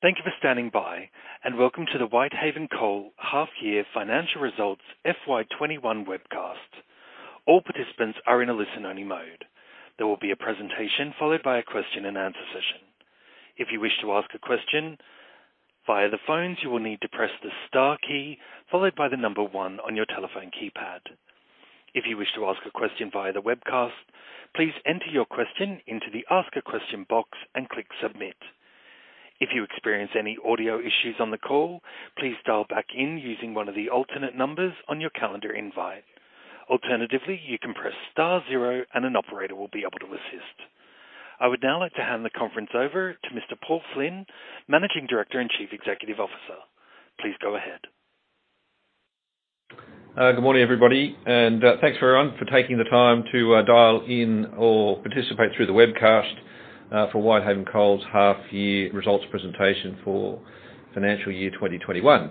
Thank you for standing by, and welcome to the Whitehaven Coal Half-Year Financial Results FY2021 webcast. All participants are in a listen-only mode. There will be a presentation followed by a question-and-answer session. If you wish to ask a question via the phones, you will need to press the star key followed by the number one on your telephone keypad. If you wish to ask a question via the webcast, please enter your question into the Ask A Question box and click Submit. If you experience any audio issues on the call, please dial back in using one of the alternate numbers on your calendar invite. Alternatively, you can press star zero, and an operator will be able to assist. I would now like to hand the conference over to Mr. Paul Flynn, Managing Director and Chief Executive Officer. Please go ahead. Good morning, everybody. And thanks for taking the time to dial in or participate through the webcast for Whitehaven Coal's half-year results presentation for financial year 2021.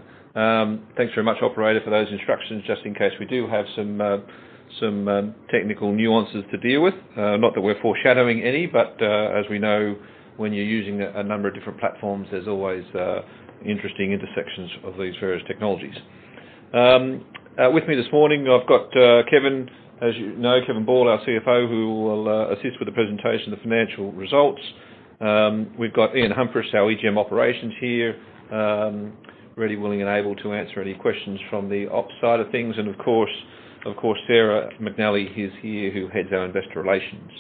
Thanks very much, operator, for those instructions just in case we do have some technical nuances to deal with. Not that we're foreshadowing any, but as we know, when you're using a number of different platforms, there's always interesting intersections of these various technologies. With me this morning, I've got Kevin, as you know, Kevin Ball, our CFO, who will assist with the presentation of the financial results. We've got Ian Humphris, our EGM operations here, ready, willing, and able to answer any questions from the ops side of things. And of course, Sarah McNally is here who heads our investor relations.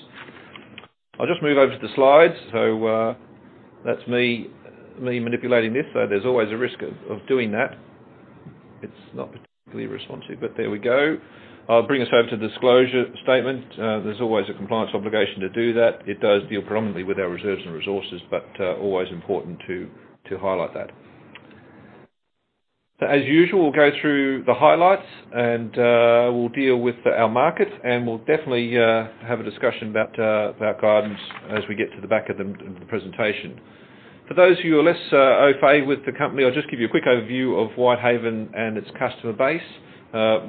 I'll just move over to the slides. So that's me manipulating this. There's always a risk of doing that. It's not particularly responsive, but there we go. I'll bring us over to the disclosure statement. There's always a compliance obligation to do that. It does deal predominantly with our reserves and resources, but always important to highlight that. As usual, we'll go through the highlights and we'll deal with our market, and we'll definitely have a discussion about guidance as we get to the back of the presentation. For those of you who are less au fait with the company, I'll just give you a quick overview of Whitehaven and its customer base.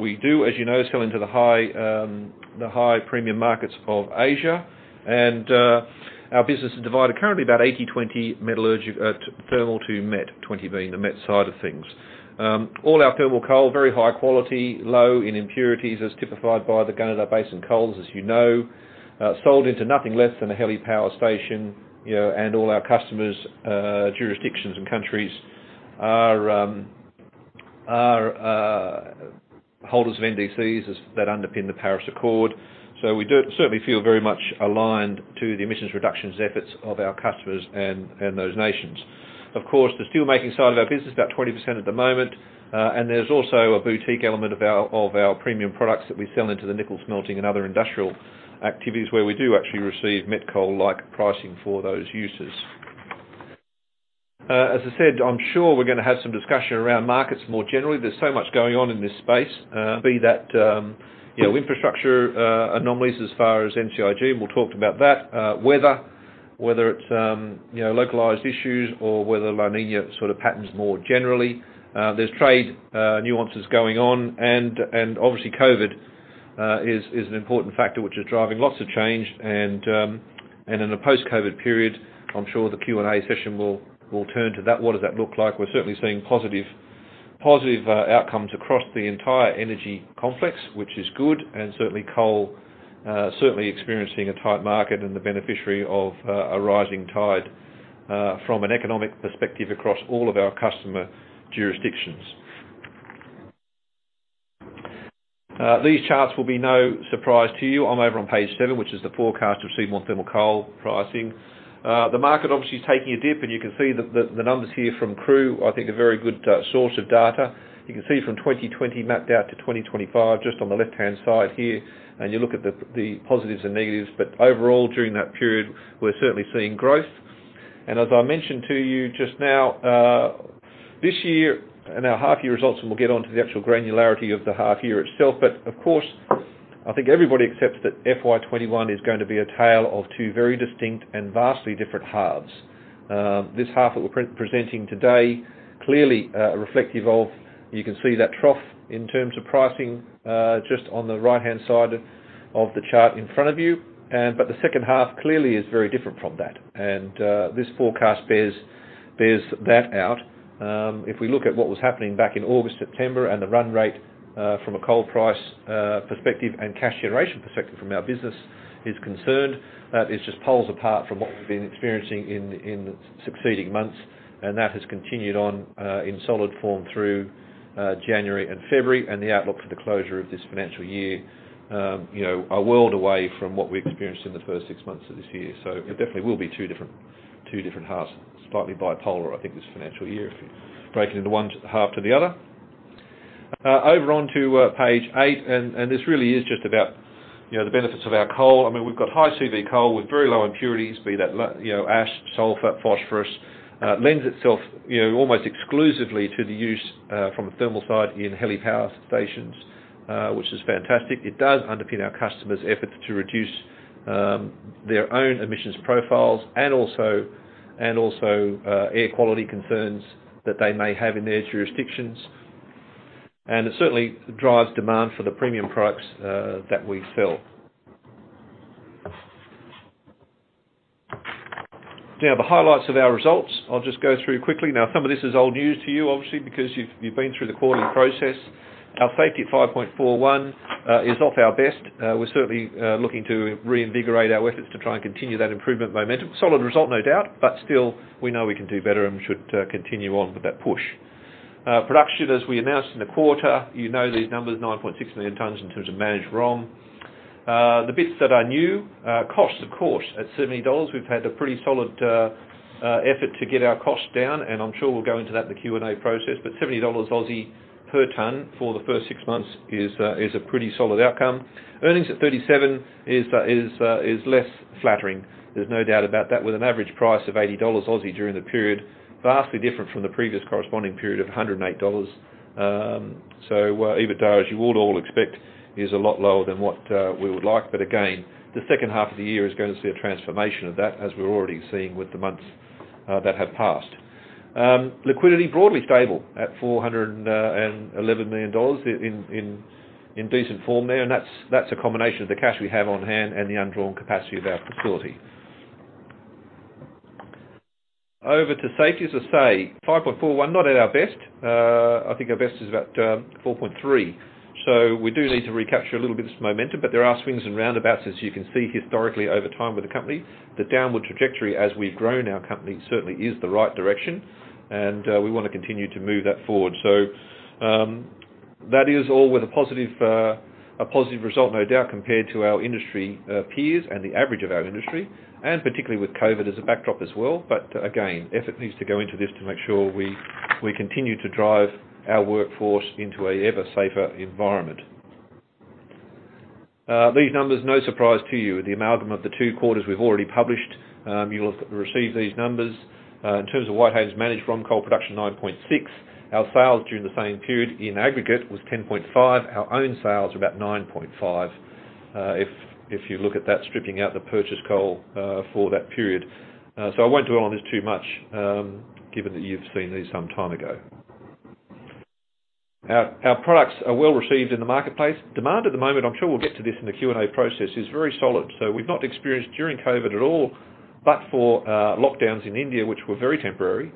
We do, as you know, sell into the high premium markets of Asia, and our business is divided currently about 80/20 metallurgical and thermal to met, 20 being the met side of things. All our thermal coal, very high quality, low in impurities, as typified by the Gunnedah Basin coals, as you know, sold into nothing less than a HELE power station. And all our customers, jurisdictions, and countries are holders of NDCs that underpin the Paris Accord. So we certainly feel very much aligned to the emissions reductions efforts of our customers and those nations. Of course, the steelmaking side of our business is about 20% at the moment, and there's also a boutique element of our premium products that we sell into the nickel smelting and other industrial activities where we do actually receive met coal-like pricing for those uses. As I said, I'm sure we're going to have some discussion around markets more generally. There's so much going on in this space. Be that infrastructure anomalies as far as NCIG, and we'll talk about that. Weather, whether it's localized issues or whether La Niña sort of patterns more generally. There's trade nuances going on, and obviously COVID is an important factor which is driving lots of change. In a post-COVID period, I'm sure the Q&A session will turn to that. What does that look like? We're certainly seeing positive outcomes across the entire energy complex, which is good, and certainly coal certainly experiencing a tight market and the beneficiary of a rising tide from an economic perspective across all of our customer jurisdictions. These charts will be no surprise to you. I'm over on page seven, which is the forecast of seaborne thermal coal pricing. The market obviously is taking a dip, and you can see that the numbers here from CRU, I think, are a very good source of data. You can see from 2020 mapped out to 2025 just on the left-hand side here, and you look at the positives and negatives, but overall, during that period, we're certainly seeing growth, and as I mentioned to you just now, this year and our half-year results, and we'll get on to the actual granularity of the half-year itself, but of course, I think everybody accepts that FY2021 is going to be a tale of two very distinct and vastly different halves. This half that we're presenting today clearly reflective of, you can see that trough in terms of pricing just on the right-hand side of the chart in front of you, but the second half clearly is very different from that, and this forecast bears that out. If we look at what was happening back in August, September, and the run rate from a coal price perspective and cash generation perspective from our business is concerned, that just pulls apart from what we've been experiencing in succeeding months, and that has continued on in solid form through January and February and the outlook for the closure of this financial year, a world away from what we experienced in the first six months of this year. So there definitely will be two different halves, slightly bipolar, I think, this financial year if you break it into one half to the other. Over on to page eight, and this really is just about the benefits of our coal. I mean, we've got high CV coal with very low impurities, be that ash, sulfur, phosphorus. Lends itself almost exclusively to the use from the thermal side in HELE power stations, which is fantastic. It does underpin our customers' efforts to reduce their own emissions profiles and also air quality concerns that they may have in their jurisdictions. It certainly drives demand for the premium products that we sell. The highlights of our results. I'll just go through quickly. Some of this is old news to you, obviously, because you've been through the quarterly process. Our safety at 5.41 is off our best. We're certainly looking to reinvigorate our efforts to try and continue that improvement momentum. Solid result, no doubt, but still, we know we can do better and should continue on with that push. Production, as we announced in the quarter, you know these numbers, 9.6 million tons in terms of managed ROM. The bits that are new, costs, of course, at AUD 70, we've had a pretty solid effort to get our costs down, and I'm sure we'll go into that in the Q&A process, but 70 Aussie dollars Aussie per ton for the first six months is a pretty solid outcome. Earnings at 37 is less flattering. There's no doubt about that. With an average price of 80 Aussie dollars Aussie during the period, vastly different from the previous corresponding period of 108 dollars. So EBITDA, as you would all expect, is a lot lower than what we would like. But again, the second half of the year is going to see a transformation of that, as we're already seeing with the months that have passed. Liquidity, broadly stable at 411 million dollars in decent form there, and that's a combination of the cash we have on hand and the undrawn capacity of our facility. Over to safety, as I say, 5.41, not at our best. I think our best is about 4.3. So we do need to recapture a little bit of this momentum, but there are swings and roundabouts, as you can see historically over time with the company. The downward trajectory as we've grown our company certainly is the right direction, and we want to continue to move that forward. So that is all with a positive result, no doubt, compared to our industry peers and the average of our industry, and particularly with COVID as a backdrop as well. But again, effort needs to go into this to make sure we continue to drive our workforce into an ever safer environment. These numbers, no surprise to you, are the amalgam of the two quarters we've already published. You'll have received these numbers. In terms of Whitehaven's managed ROM coal production, 9.6. Our sales during the same period in aggregate was 10.5. Our own sales are about 9.5 if you look at that stripping out the purchase coal for that period. So I won't dwell on this too much given that you've seen these some time ago. Our products are well received in the marketplace. Demand at the moment, I'm sure we'll get to this in the Q&A process, is very solid. So we've not experienced during COVID at all, but for lockdowns in India, which were very temporary,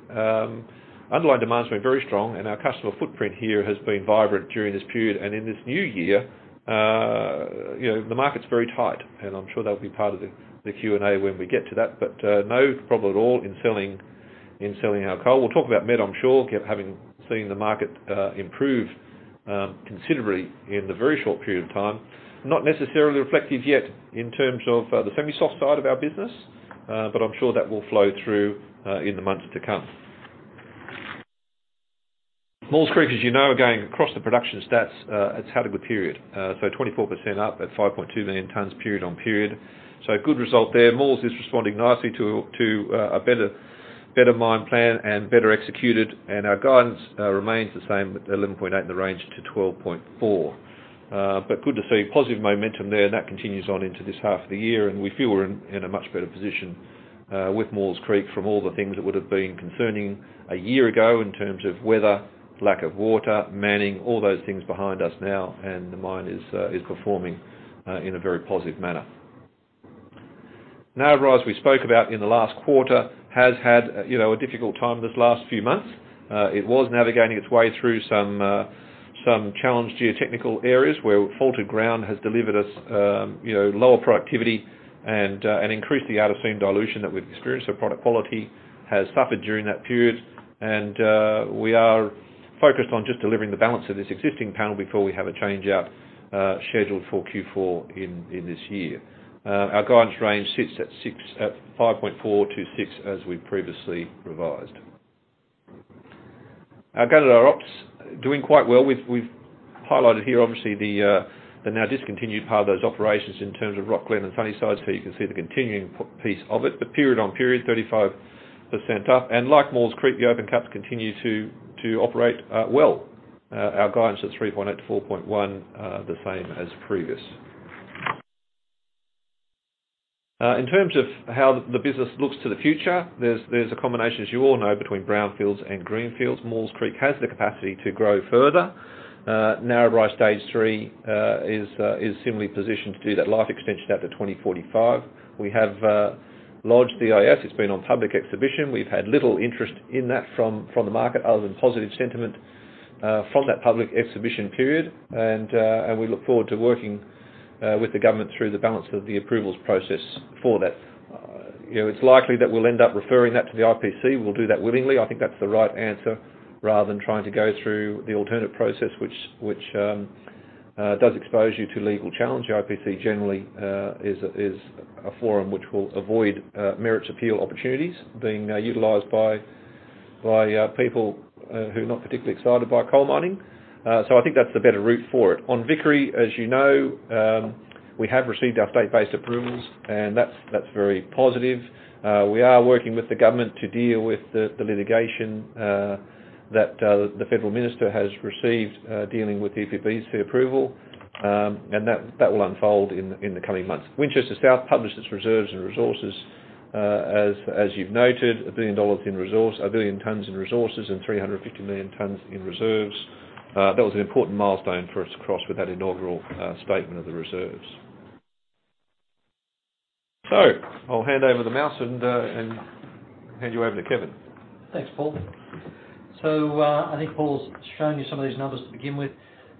underlying demand has been very strong, and our customer footprint here has been vibrant during this period. And in this new year, the market's very tight, and I'm sure that'll be part of the Q&A when we get to that. But no problem at all in selling our coal. We'll talk about met, I'm sure, having seen the market improve considerably in the very short period of time. Not necessarily reflective yet in terms of the semi-soft side of our business, but I'm sure that will flow through in the months to come. Maules Creek, as you know, again, across the production stats, it's had a good period. So 24% up at 5.2 million tons, period on period. So good result there. Maules is responding nicely to a better mine plan and better executed, and our guidance remains the same, at 11.8-12.4. But good to see positive momentum there, and that continues on into this half of the year, and we feel we're in a much better position with Maules Creek from all the things that would have been concerning a year ago in terms of weather, lack of water, manning, all those things behind us now, and the mine is performing in a very positive manner. Narrabri, we spoke about in the last quarter, has had a difficult time this last few months. It was navigating its way through some challenging geotechnical areas where faulted ground has delivered us lower productivity and increased the out-of-seam dilution that we've experienced. So product quality has suffered during that period, and we are focused on just delivering the balance of this existing panel before we have a change-out scheduled for Q4 in this year. Our guidance range sits at 5.4-6 as we've previously revised. Our Gunnedah Ops [are] doing quite well. We've highlighted here, obviously, the now discontinued part of those operations in terms of Rocglen and Sunnyside, so you can see the continuing piece of it. But period on period, 35% up. Like Maules Creek, the open cuts continue to operate well. Our guidance at 3.8-4.1, the same as previous. In terms of how the business looks to the future, there's a combination, as you all know, between brownfields and greenfields. Maules Creek has the capacity to grow further. Narrabri, Stage 3, is similarly positioned to do that life extension out to 2045. We have lodged the EIS. It's been on public exhibition. We've had little interest in that from the market other than positive sentiment from that public exhibition period, and we look forward to working with the government through the balance of the approvals process for that. It's likely that we'll end up referring that to the IPC. We'll do that willingly. I think that's the right answer rather than trying to go through the alternate process, which does expose you to legal challenge. The IPC generally is a forum which will avoid merits appeal opportunities being utilized by people who are not particularly excited by coal mining. So I think that's the better route for it. On Vickery, as you know, we have received our state-based approvals, and that's very positive. We are working with the government to deal with the litigation that the federal minister has received dealing with EPBC's approval, and that will unfold in the coming months. Winchester South published its reserves and resources, as you've noted, a billion tonnes in resource, a billion tons in resources, and 350 million tons in reserves. That was an important milestone for us to cross with that inaugural statement of the reserves. So I'll hand over the mouse and hand you over to Kevin. Thanks, Paul. So I think Paul's shown you some of these numbers to begin with.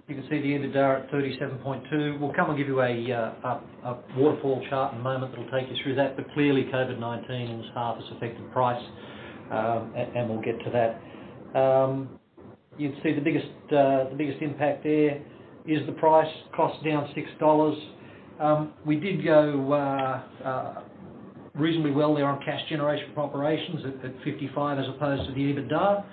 You can see the net debt 37.2. We'll come and give you a waterfall chart in a moment that'll take you through that. But clearly, COVID-19 was half its effect. The price, and we'll get to that. You'd see the biggest impact there is the price. Cost down $6. We did go reasonably well there on cash generation for operations at 55 as opposed to the EBITDA,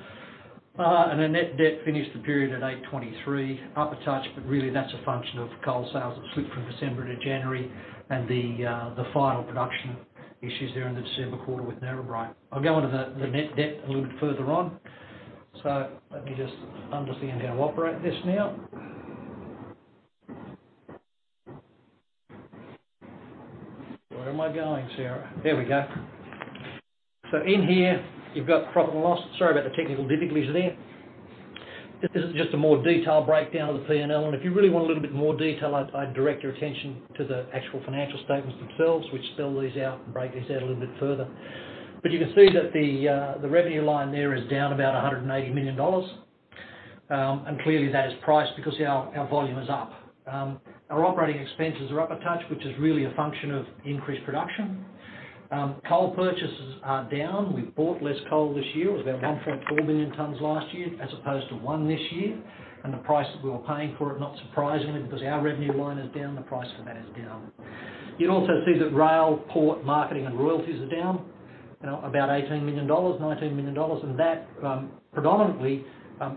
and then net debt finished the period at 8.23, up a touch, but really that's a function of coal sales that slipped from December to January and the final production issues there in the December quarter with Narrabri. I'll go into the net debt a little bit further on. So let me just understand how to operate this now. Where am I going, Sarah? There we go. So in here, you've got profit and loss. Sorry about the technical difficulties there. This is just a more detailed breakdown of the P&L, and if you really want a little bit more detail, I'd direct your attention to the actual financial statements themselves, which spell these out and break these out a little bit further. But you can see that the revenue line there is down about 180 million dollars, and clearly that is priced because our volume is up. Our operating expenses are up a touch, which is really a function of increased production. Coal purchases are down. We've bought less coal this year. It was about 1.4 million tons last year as opposed to one this year, and the price that we were paying for it, not surprisingly, because our revenue line is down, the price for that is down. You'll also see that rail, port, marketing, and royalties are down about 18 million dollars, 19 million dollars, and that predominantly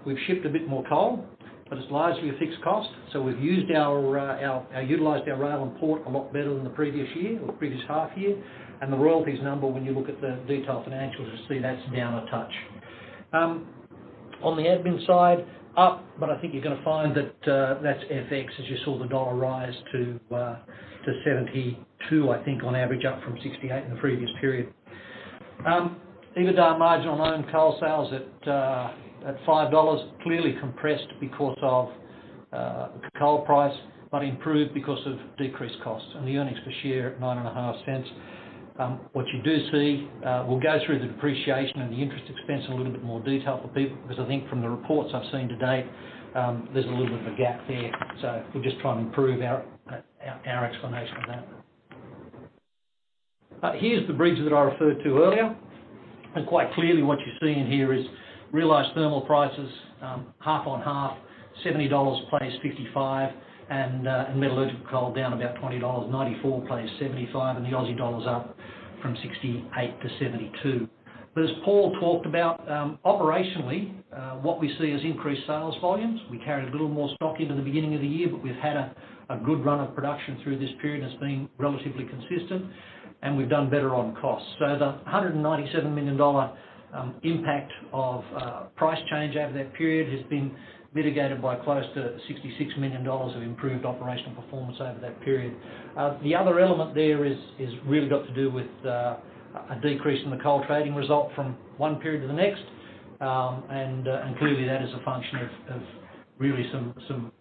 we've shipped a bit more coal, but it's largely a fixed cost. So we've utilized our rail and port a lot better than the previous year or previous half year, and the royalties number, when you look at the detailed financials, you'll see that's down a touch. On the admin side, up, but I think you're going to find that that's FX, as you saw the dollar rise to 72, I think, on average, up from 68 in the previous period. EBITDA margin on own coal sales at $5 clearly compressed because of coal price, but improved because of decreased costs, and the earnings per share at 0.095. What you do see, we'll go through the depreciation and the interest expense in a little bit more detail for people because I think from the reports I've seen to date, there's a little bit of a gap there. So we'll just try and improve our explanation of that. Here's the bridge that I referred to earlier, and quite clearly what you see in here is realized thermal prices half on half, $70 plays 55, and metallurgical coal down about $20, 94 plays 75, and the Aussie dollar's up from 68-72. But as Paul talked about, operationally, what we see is increased sales volumes. We carried a little more stock into the beginning of the year, but we've had a good run of production through this period, and it's been relatively consistent, and we've done better on costs. So the $197 million impact of price change over that period has been mitigated by close to $66 million of improved operational performance over that period. The other element there has really got to do with a decrease in the coal trading result from one period to the next, and clearly that is a function of really some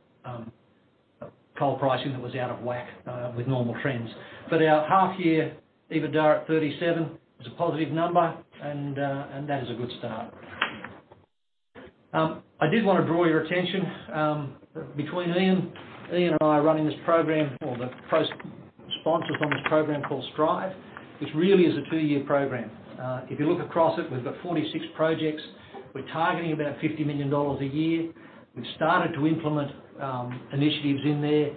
coal pricing that was out of whack with normal trends. But our half-year EBITDA at 37 is a positive number, and that is a good start. I did want to draw your attention between Ian and I running this program or the sponsors on this program called Strive, which really is a two-year program. If you look across it, we've got 46 projects. We're targeting about 50 million dollars a year. We've started to implement initiatives in there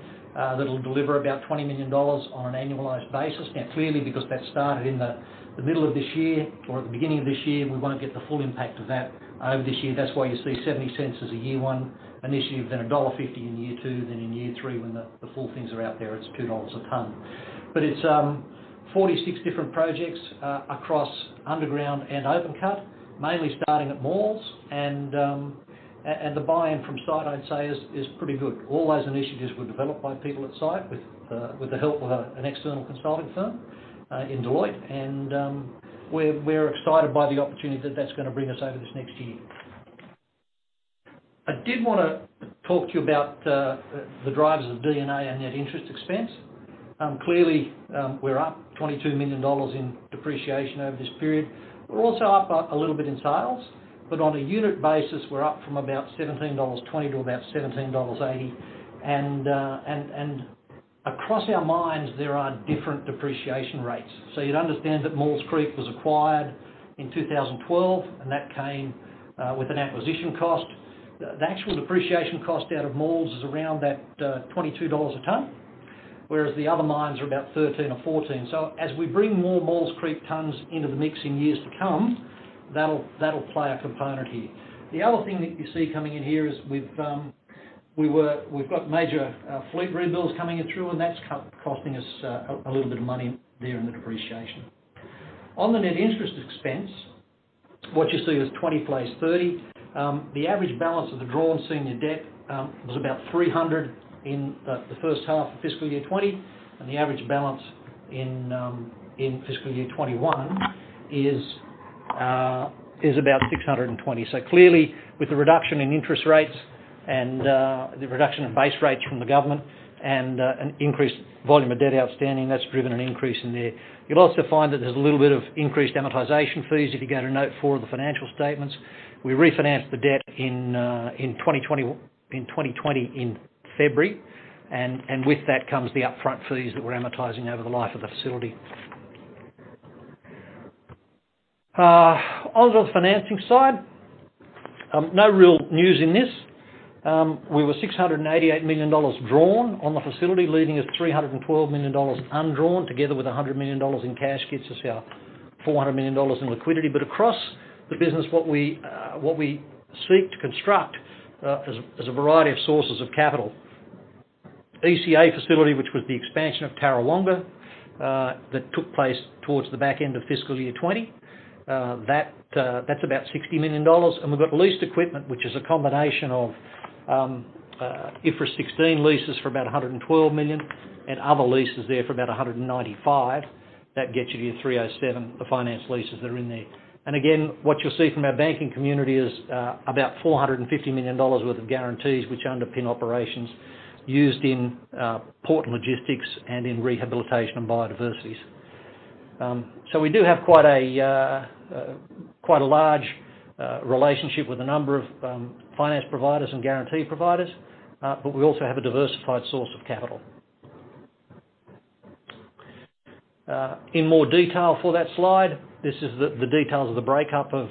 that'll deliver about 20 million dollars on an annualized basis. Now, clearly, because that started in the middle of this year or at the beginning of this year, we won't get the full impact of that over this year. That's why you see 70 cents as a year-one initiative, then $1.50 in year two, then in year three, when the full things are out there, it's $2 a tonne. But it's 46 different projects across underground and open cut, mainly starting at Maules, and the buy-in from site, I'd say, is pretty good. All those initiatives were developed by people at site with the help of an external consulting firm in Deloitte, and we're excited by the opportunity that that's going to bring us over this next year. I did want to talk to you about the drivers of D&A and net interest expense. Clearly, we're up $22 million in depreciation over this period. We're also up a little bit in sales, but on a unit basis, we're up from about $17.20 to about $17.80, and across our mines, there are different depreciation rates. You'd understand that Maules Creek was acquired in 2012, and that came with an acquisition cost. The actual depreciation cost out of Maules is around 22 dollars a tonne, whereas the other mines are about 13 or 14. As we bring more Maules Creek tonnes into the mix in years to come, that'll play a component here. The other thing that you see coming in here is we've got major fleet rebuilds coming in through, and that's costing us a little bit of money there in the depreciation. On the net interest expense, what you see is 20 plays 30. The average balance of the drawn senior debt was about 300 in the first half of fiscal year 2020, and the average balance in fiscal year 2021 is about 620. So clearly, with the reduction in interest rates and the reduction in base rates from the government and an increased volume of debt outstanding, that's driven an increase in there. You'll also find that there's a little bit of increased amortization fees if you go to note four of the financial statements. We refinanced the debt in 2020 in February, and with that comes the upfront fees that we're amortizing over the life of the facility. On the financing side, no real news in this. We were 688 million dollars drawn on the facility, leaving us 312 million dollars undrawn, together with 100 million dollars in cash. It gives us our 400 million dollars in liquidity. But across the business, what we seek to construct is a variety of sources of capital. IFRS 16 leases for about 112 million and other leases there for about 195 million. That gets you to your 307, the finance leases that are in there. What you'll see from our banking community is about 450 million dollars worth of guarantees, which underpin operations used in port and logistics and in rehabilitation and biodiversity. We do have quite a large relationship with a number of finance providers and guarantee providers, but we also have a diversified source of capital. In more detail for that slide, this is the details of the breakdown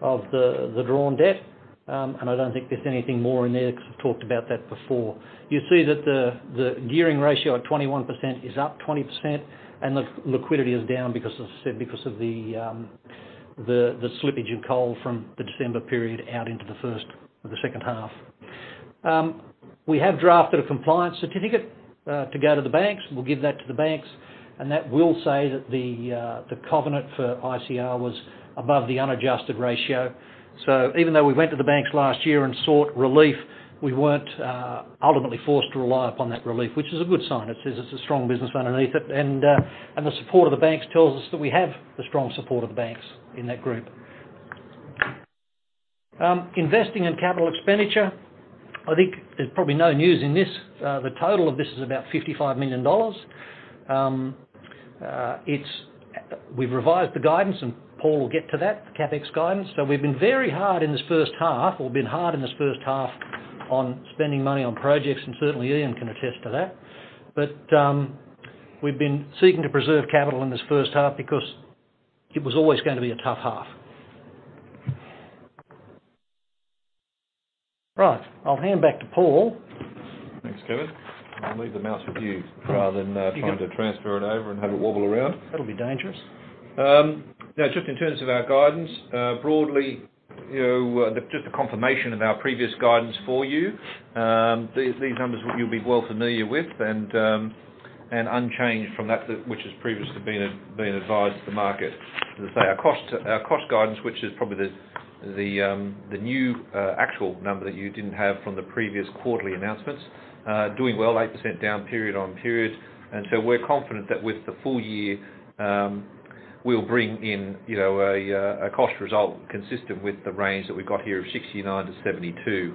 of the drawn debt, and I don't think there's anything more in there because I've talked about that before. You see that the gearing ratio at 21% is up 20%, and the liquidity is down, as I said, because of the slippage of coal from the December period out into the second half. We have drafted a compliance certificate to go to the banks. We'll give that to the banks, and that will say that the covenant for ICR was above the unadjusted ratio. So even though we went to the banks last year and sought relief, we weren't ultimately forced to rely upon that relief, which is a good sign. It says it's a strong business underneath it, and the support of the banks tells us that we have the strong support of the banks in that group. Investing in capital expenditure, I think there's probably no news in this. The total of this is about 55 million dollars. We've revised the guidance, and Paul will get to that, the CapEx guidance. So we've been very hard in this first half. We've been hard in this first half on spending money on projects, and certainly Ian can attest to that. But we've been seeking to preserve capital in this first half because it was always going to be a tough half. Right. I'll hand back to Paul. Thanks, Kevin. I'll leave the mouse with you rather than trying to transfer it over and have it wobble around. That'll be dangerous. Now, just in terms of our guidance, broadly, just a confirmation of our previous guidance for you. These numbers you'll be well familiar with and unchanged from that, which has previously been advised to the market. As I say, our cost guidance, which is probably the new actual number that you didn't have from the previous quarterly announcements, doing well, 8% down period on period. And so we're confident that with the full year, we'll bring in a cost result consistent with the range that we've got here of 69-72.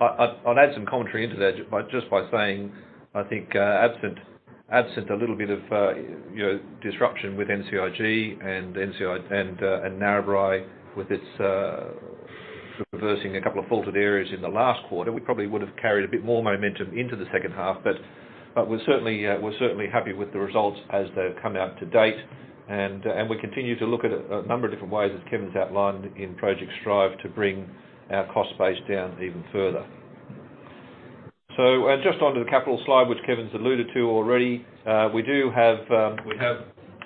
I'll add some commentary into that just by saying I think absent a little bit of disruption with NCIG and PWCS and Narrabri with its reversing a couple of faulted areas in the last quarter, we probably would have carried a bit more momentum into the second half, but we're certainly happy with the results as they've come out to date. And we continue to look at a number of different ways, as Kevin's outlined in Project Strive, to bring our cost base down even further. So just onto the capital slide, which Kevin's alluded to already, we have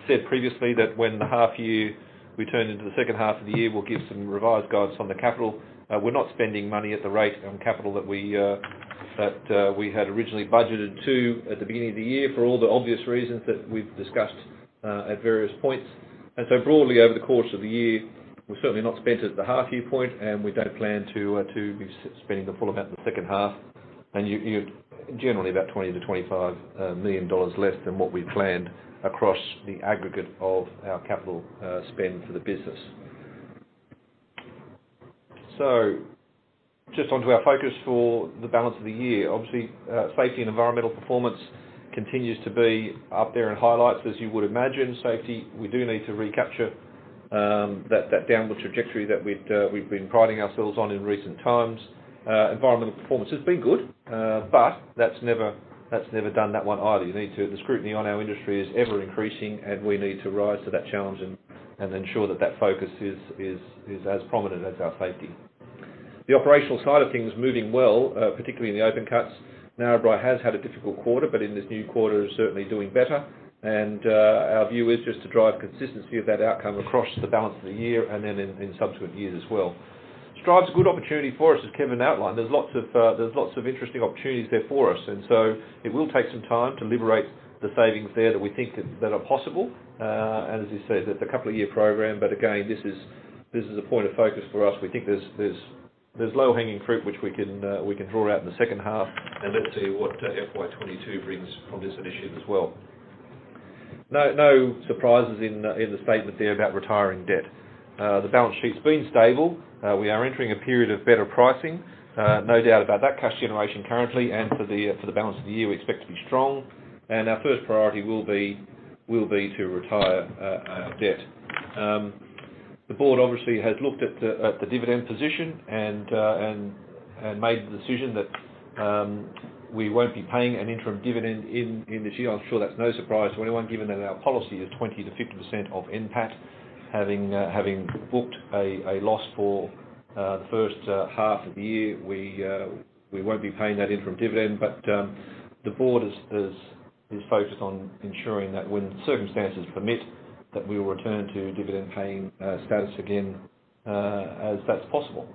said previously that when the half-year we turn into the second half of the year, we'll give some revised guidance on the capital. We're not spending money at the rate on capital that we had originally budgeted to at the beginning of the year for all the obvious reasons that we've discussed at various points. And so broadly, over the course of the year, we're certainly not spent at the half-year point, and we don't plan to be spending the full amount in the second half, and generally about 20 million-25 million dollars less than what we planned across the aggregate of our capital spend for the business. So just onto our focus for the balance of the year, obviously, safety and environmental performance continues to be up there in highlights, as you would imagine. Safety, we do need to recapture that downward trajectory that we've been priding ourselves on in recent times. Environmental performance has been good, but that's never done that one either. The scrutiny on our industry is ever increasing, and we need to rise to that challenge and ensure that that focus is as prominent as our safety. The operational side of things is moving well, particularly in the open cuts. Narrabri has had a difficult quarter, but in this new quarter, it's certainly doing better, and our view is just to drive consistency of that outcome across the balance of the year and then in subsequent years as well. Strive's a good opportunity for us, as Kevin outlined. There's lots of interesting opportunities there for us, and so it will take some time to liberate the savings there that we think that are possible, and as you said, it's a couple-of-year program, but again, this is a point of focus for us. We think there's low-hanging fruit which we can draw out in the second half, and let's see what FY2022 brings from this initiative as well. No surprises in the statement there about retiring debt. The balance sheet's been stable. We are entering a period of better pricing. No doubt about that. Cash generation currently, and for the balance of the year, we expect to be strong, and our first priority will be to retire debt. The board obviously has looked at the dividend position and made the decision that we won't be paying an interim dividend in this year. I'm sure that's no surprise to anyone, given that our policy is 20%-50% of NPAT, having booked a loss for the first half of the year. We won't be paying that interim dividend, but the board is focused on ensuring that when circumstances permit, that we will return to dividend-paying status again as that's possible.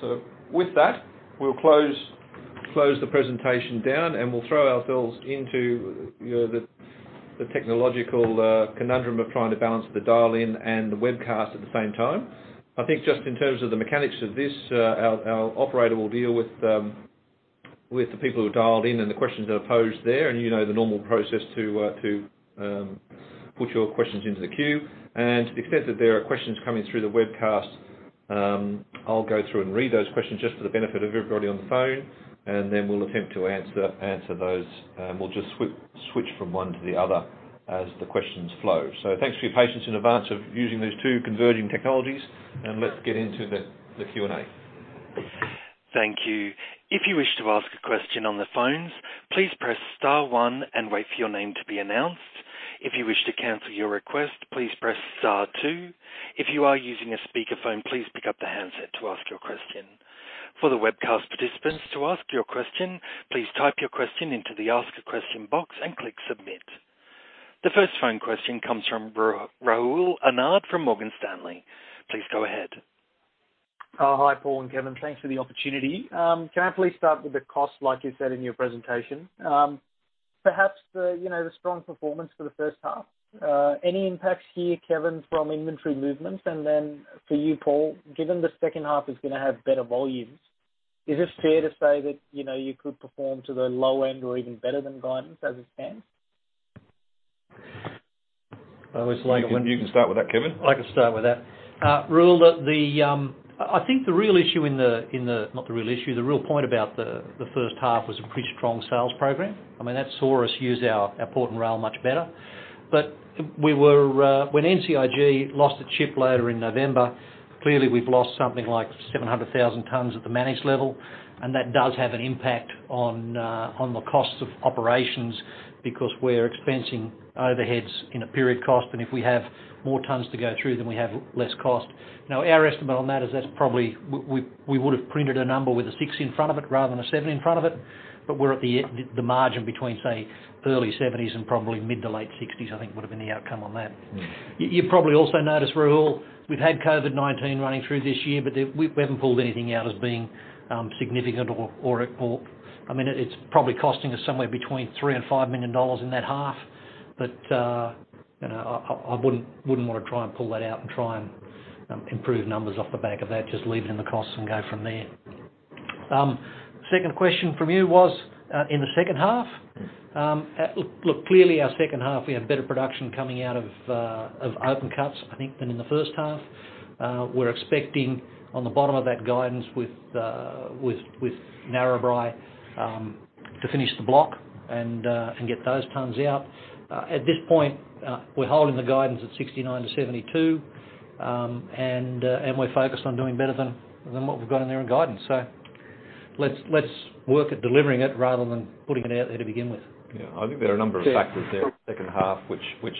So with that, we'll close the presentation down, and we'll throw ourselves into the technological conundrum of trying to balance the dial-in and the webcast at the same time. I think just in terms of the mechanics of this, our operator will deal with the people who dialed in and the questions that are posed there, and you know the normal process to put your questions into the queue. And to the extent that there are questions coming through the webcast, I'll go through and read those questions just for the benefit of everybody on the phone, and then we'll attempt to answer those, and we'll just switch from one to the other as the questions flow. So, thanks for your patience in advance of using these two converging technologies, and let's get into the Q&A. Thank you. If you wish to ask a question on the phones, please press Star 1 and wait for your name to be announced. If you wish to cancel your request, please press Star 2. If you are using a speakerphone, please pick up the handset to ask your question. For the webcast participants to ask your question, please type your question into the Ask a Question box and click Submit. The first phone question comes from Rahul Anand from Morgan Stanley. Please go ahead. Hi, Paul and Kevin. Thanks for the opportunity. Can I please start with the cost, like you said in your presentation? Perhaps the strong performance for the first half. Any impacts here, Kevin, from inventory movements? And then for you, Paul, given the second half is going to have better volumes, is it fair to say that you could perform to the low end or even better than guidance as it stands? You can start with that, Kevin. I can start with that. I think the real issue in the, not the real issue, the real point about the first half was a pretty strong sales program. I mean, that saw us use our port and rail much better. But when NCIG lost a ship loader later in November, clearly we've lost something like 700,000 t at the managed level, and that does have an impact on the cost of operations because we're expensing overheads in a period cost, and if we have more tonnes to go through, then we have less cost. Now, our estimate on that is that's probably, we would have printed a number with a six in front of it rather than a seven in front of it, but we're at the margin between, say, early '70s and probably mid to late '60s, I think would have been the outcome on that. You probably also noticed we've had COVID-19 running through this year, but we haven't pulled anything out as being significant or, I mean, it's probably costing us somewhere between $3-$5 million in that half, but I wouldn't want to try and pull that out and try and improve numbers off the back of that, just leave it in the costs and go from there. Second question from you was in the second half. Look, clearly our second half, we have better production coming out of open cuts, I think, than in the first half. We're expecting on the bottom of that guidance with Narrabri to finish the block and get those tonnes out. At this point, we're holding the guidance at 69-72, and we're focused on doing better than what we've got in there in guidance. So let's work at delivering it rather than putting it out there to begin with. Yeah. I think there are a number of factors there in the second half which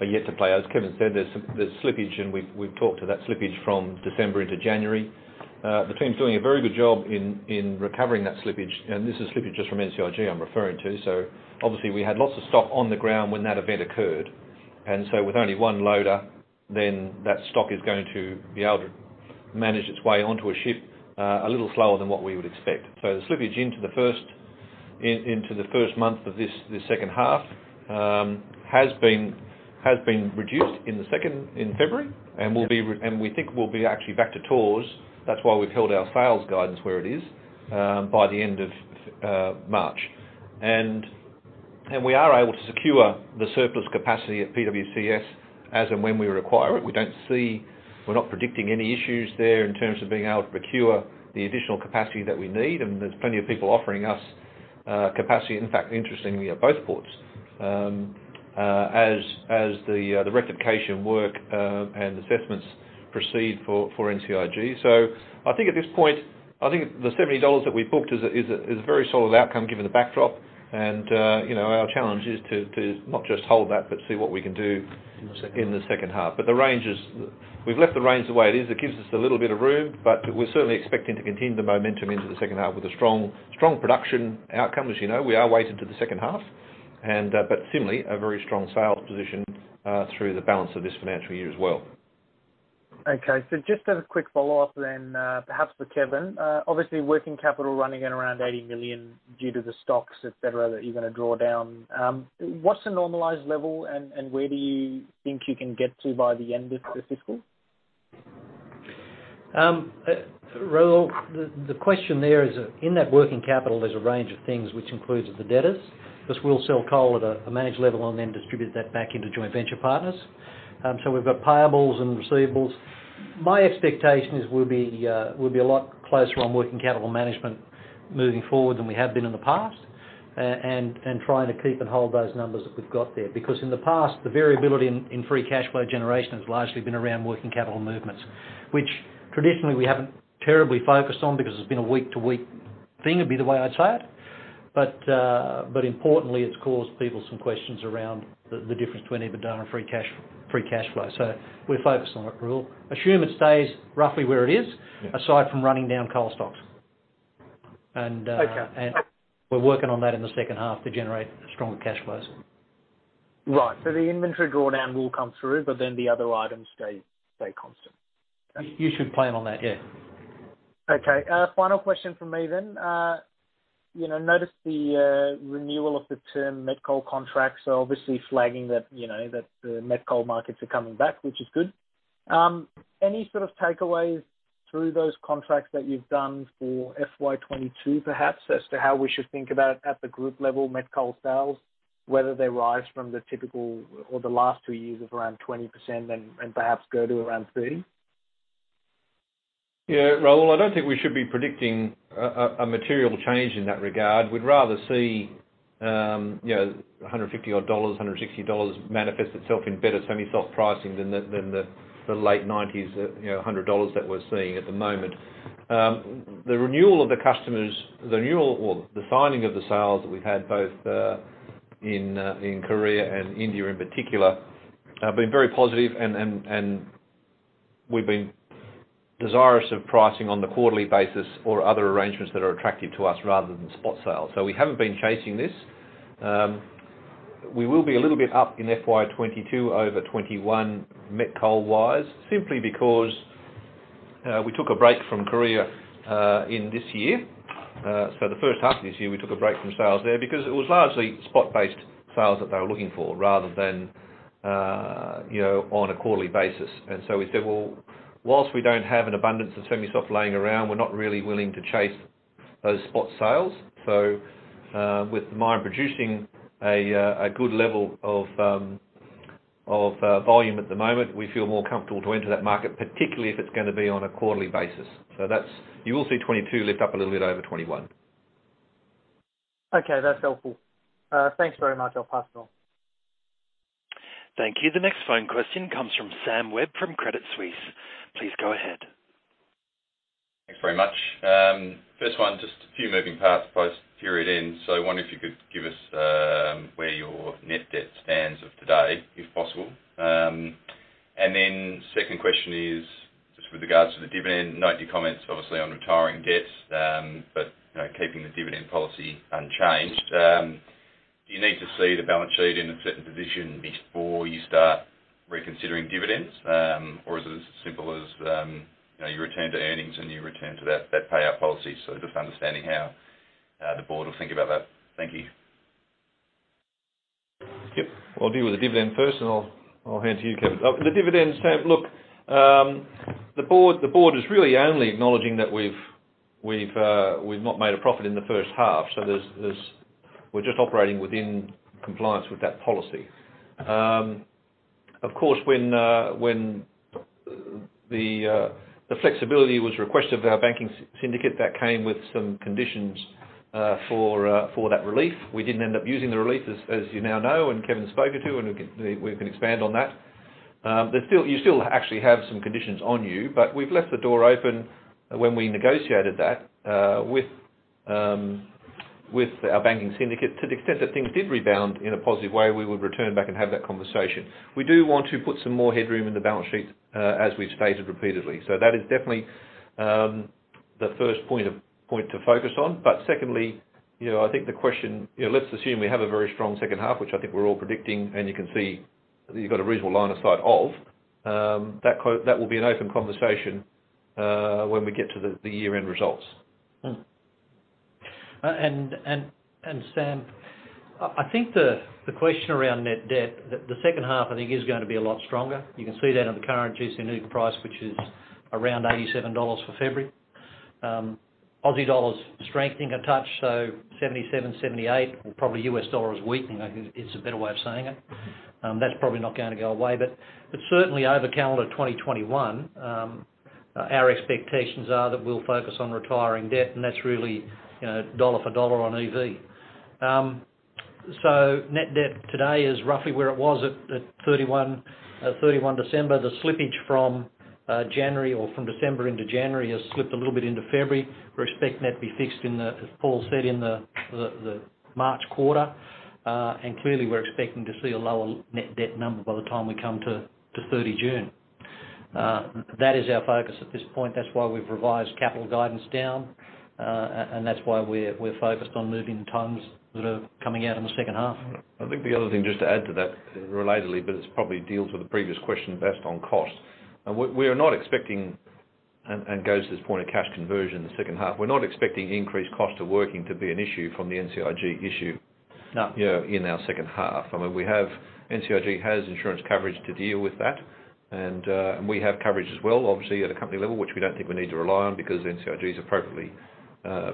are yet to play. As Kevin said, there's slippage, and we've talked to that slippage from December into January. The team's doing a very good job in recovering that slippage, and this is slippage just from NCIG I'm referring to. So obviously, we had lots of stock on the ground when that event occurred, and so with only one loader, then that stock is going to be able to manage its way onto a ship a little slower than what we would expect. So the slippage into the first month of this second half has been reduced in February and we think we'll be actually back to tonnes. That's why we've held our sales guidance where it is by the end of March. We are able to secure the surplus capacity at PWCS as and when we require it. We're not predicting any issues there in terms of being able to procure the additional capacity that we need, and there's plenty of people offering us capacity. In fact, interestingly, at both ports as the rectification work and assessments proceed for NCIG. I think at this point, I think the $70 that we've booked is a very solid outcome given the backdrop, and our challenge is to not just hold that but see what we can do in the second half. The ranges, we've left the range the way it is. It gives us a little bit of room, but we're certainly expecting to continue the momentum into the second half with a strong production outcome. As you know, we are weighted to the second half, but similarly, a very strong sales position through the balance of this financial year as well. Okay. So just a quick follow-up then, perhaps for Kevin. Obviously, working capital running in around 80 million due to the stocks, etc., that you're going to draw down. What's the normalized level, and where do you think you can get to by the end of the fiscal? Rahul, the question there is in that working capital, there's a range of things which includes the debtors because we'll sell coal at a managed level and then distribute that back into joint venture partners. So we've got payables and receivables. My expectation is we'll be a lot closer on working capital management moving forward than we have been in the past and trying to keep and hold those numbers that we've got there because in the past, the variability in free cash flow generation has largely been around working capital movements, which traditionally we haven't terribly focused on because it's been a week-to-week thing, would be the way I'd say it. But importantly, it's caused people some questions around the difference between inventory and free cash flow. So we're focused on it. We'll assume it stays roughly where it is aside from running down coal stocks, and we're working on that in the second half to generate stronger cash flows. Right. So the inventory drawdown will come through, but then the other items stay constant. You should plan on that, yeah. Okay. Final question from me then. Noticed the renewal of the term met coal contracts, so obviously flagging that the met coal markets are coming back, which is good. Any sort of takeaways through those contracts that you've done for FY2022, perhaps, as to how we should think about at the group level met coal sales, whether they rise from the typical or the last two years of around 20% and perhaps go to around 30%? Yeah. Rahul, I don't think we should be predicting a material change in that regard. We'd rather see $150, $160 manifest itself in better semi-soft pricing than the late '90s, $100 that we're seeing at the moment. The renewal of the customers, the renewal or the signing of the sales that we've had both in Korea and India in particular have been very positive, and we've been desirous of pricing on the quarterly basis or other arrangements that are attractive to us rather than spot sales. So we haven't been chasing this. We will be a little bit up in FY 2022 over 2021 met coal-wise, simply because we took a break from Korea in this year. So the first half of this year, we took a break from sales there because it was largely spot-based sales that they were looking for rather than on a quarterly basis. We said, "Well, while we don't have an abundance of semi-soft lying around, we're not really willing to chase those spot sales." With the mine producing a good level of volume at the moment, we feel more comfortable to enter that market, particularly if it's going to be on a quarterly basis. You will see 2022 lift up a little bit over 2021. Okay. That's helpful. Thanks very much, that's all. Thank you. The next phone question comes from Sam Webb from Credit Suisse. Please go ahead. Thanks very much. First one, just a few moving parts post period end. So I wonder if you could give us where your net debt stands as of today, if possible. And then second question is just with regards to the dividend, note your comments obviously on retiring debts, but keeping the dividend policy unchanged. Do you need to see the balance sheet in a certain position before you start reconsidering dividends, or is it as simple as you return to earnings and you return to that payout policy? So just understanding how the board will think about that. Thank you. Yep. We'll deal with the dividend first, and I'll hand to you, Kevin. The dividends, Sam, look, the board is really only acknowledging that we've not made a profit in the first half, so we're just operating within compliance with that policy. Of course, when the flexibility was requested by our banking syndicate, that came with some conditions for that relief. We didn't end up using the relief, as you now know, and Kevin spoke it to, and we can expand on that. You still actually have some conditions on you, but we've left the door open when we negotiated that with our banking syndicate. To the extent that things did rebound in a positive way, we would return back and have that conversation. We do want to put some more headroom in the balance sheet, as we've stated repeatedly. So that is definitely the first point to focus on. But secondly, I think the question. Let's assume we have a very strong second half, which I think we're all predicting, and you can see that you've got a reasonable line of sight of. That will be an open conversation when we get to the year-end results. Sam, I think the question around net debt, the second half, I think, is going to be a lot stronger. You can see that in the current gC NEWC price, which is around $87 for February. Aussie dollar's strengthening a touch, so 77-78. Probably U.S. dollar is weakening. I think it's a better way of saying it. That's probably not going to go away, but certainly over calendar 2021, our expectations are that we'll focus on retiring debt, and that's really dollar for dollar on EV. So net debt today is roughly where it was at 31 December. The slippage from January or from December into January has slipped a little bit into February. We expect net to be fixed, as Paul said, in the March quarter, and clearly we're expecting to see a lower net debt number by the time we come to 30 June. That is our focus at this point. That's why we've revised capital guidance down, and that's why we're focused on moving the tons that are coming out in the second half. I think the other thing just to add to that relatedly, but it probably deals with the previous question best on cost. We are not expecting, and goes to this point of cash conversion in the second half, we're not expecting increased cost of working to be an issue from the NCIG issue in our second half. I mean, NCIG has insurance coverage to deal with that, and we have coverage as well, obviously, at a company level, which we don't think we need to rely on because NCIG is appropriately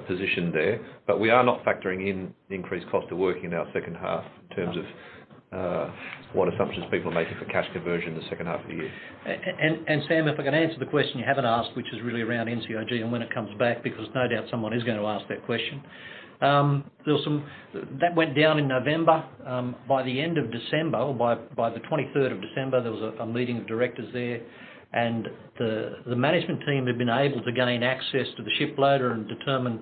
positioned there. But we are not factoring in increased cost of working in our second half in terms of what assumptions people are making for cash conversion in the second half of the year. And Sam, if I can answer the question you haven't asked, which is really around NCIG and when it comes back, because no doubt someone is going to ask that question. That went down in November. By the end of December, or by the 23rd of December, there was a meeting of directors there, and the management team had been able to gain access to the ship loader and determine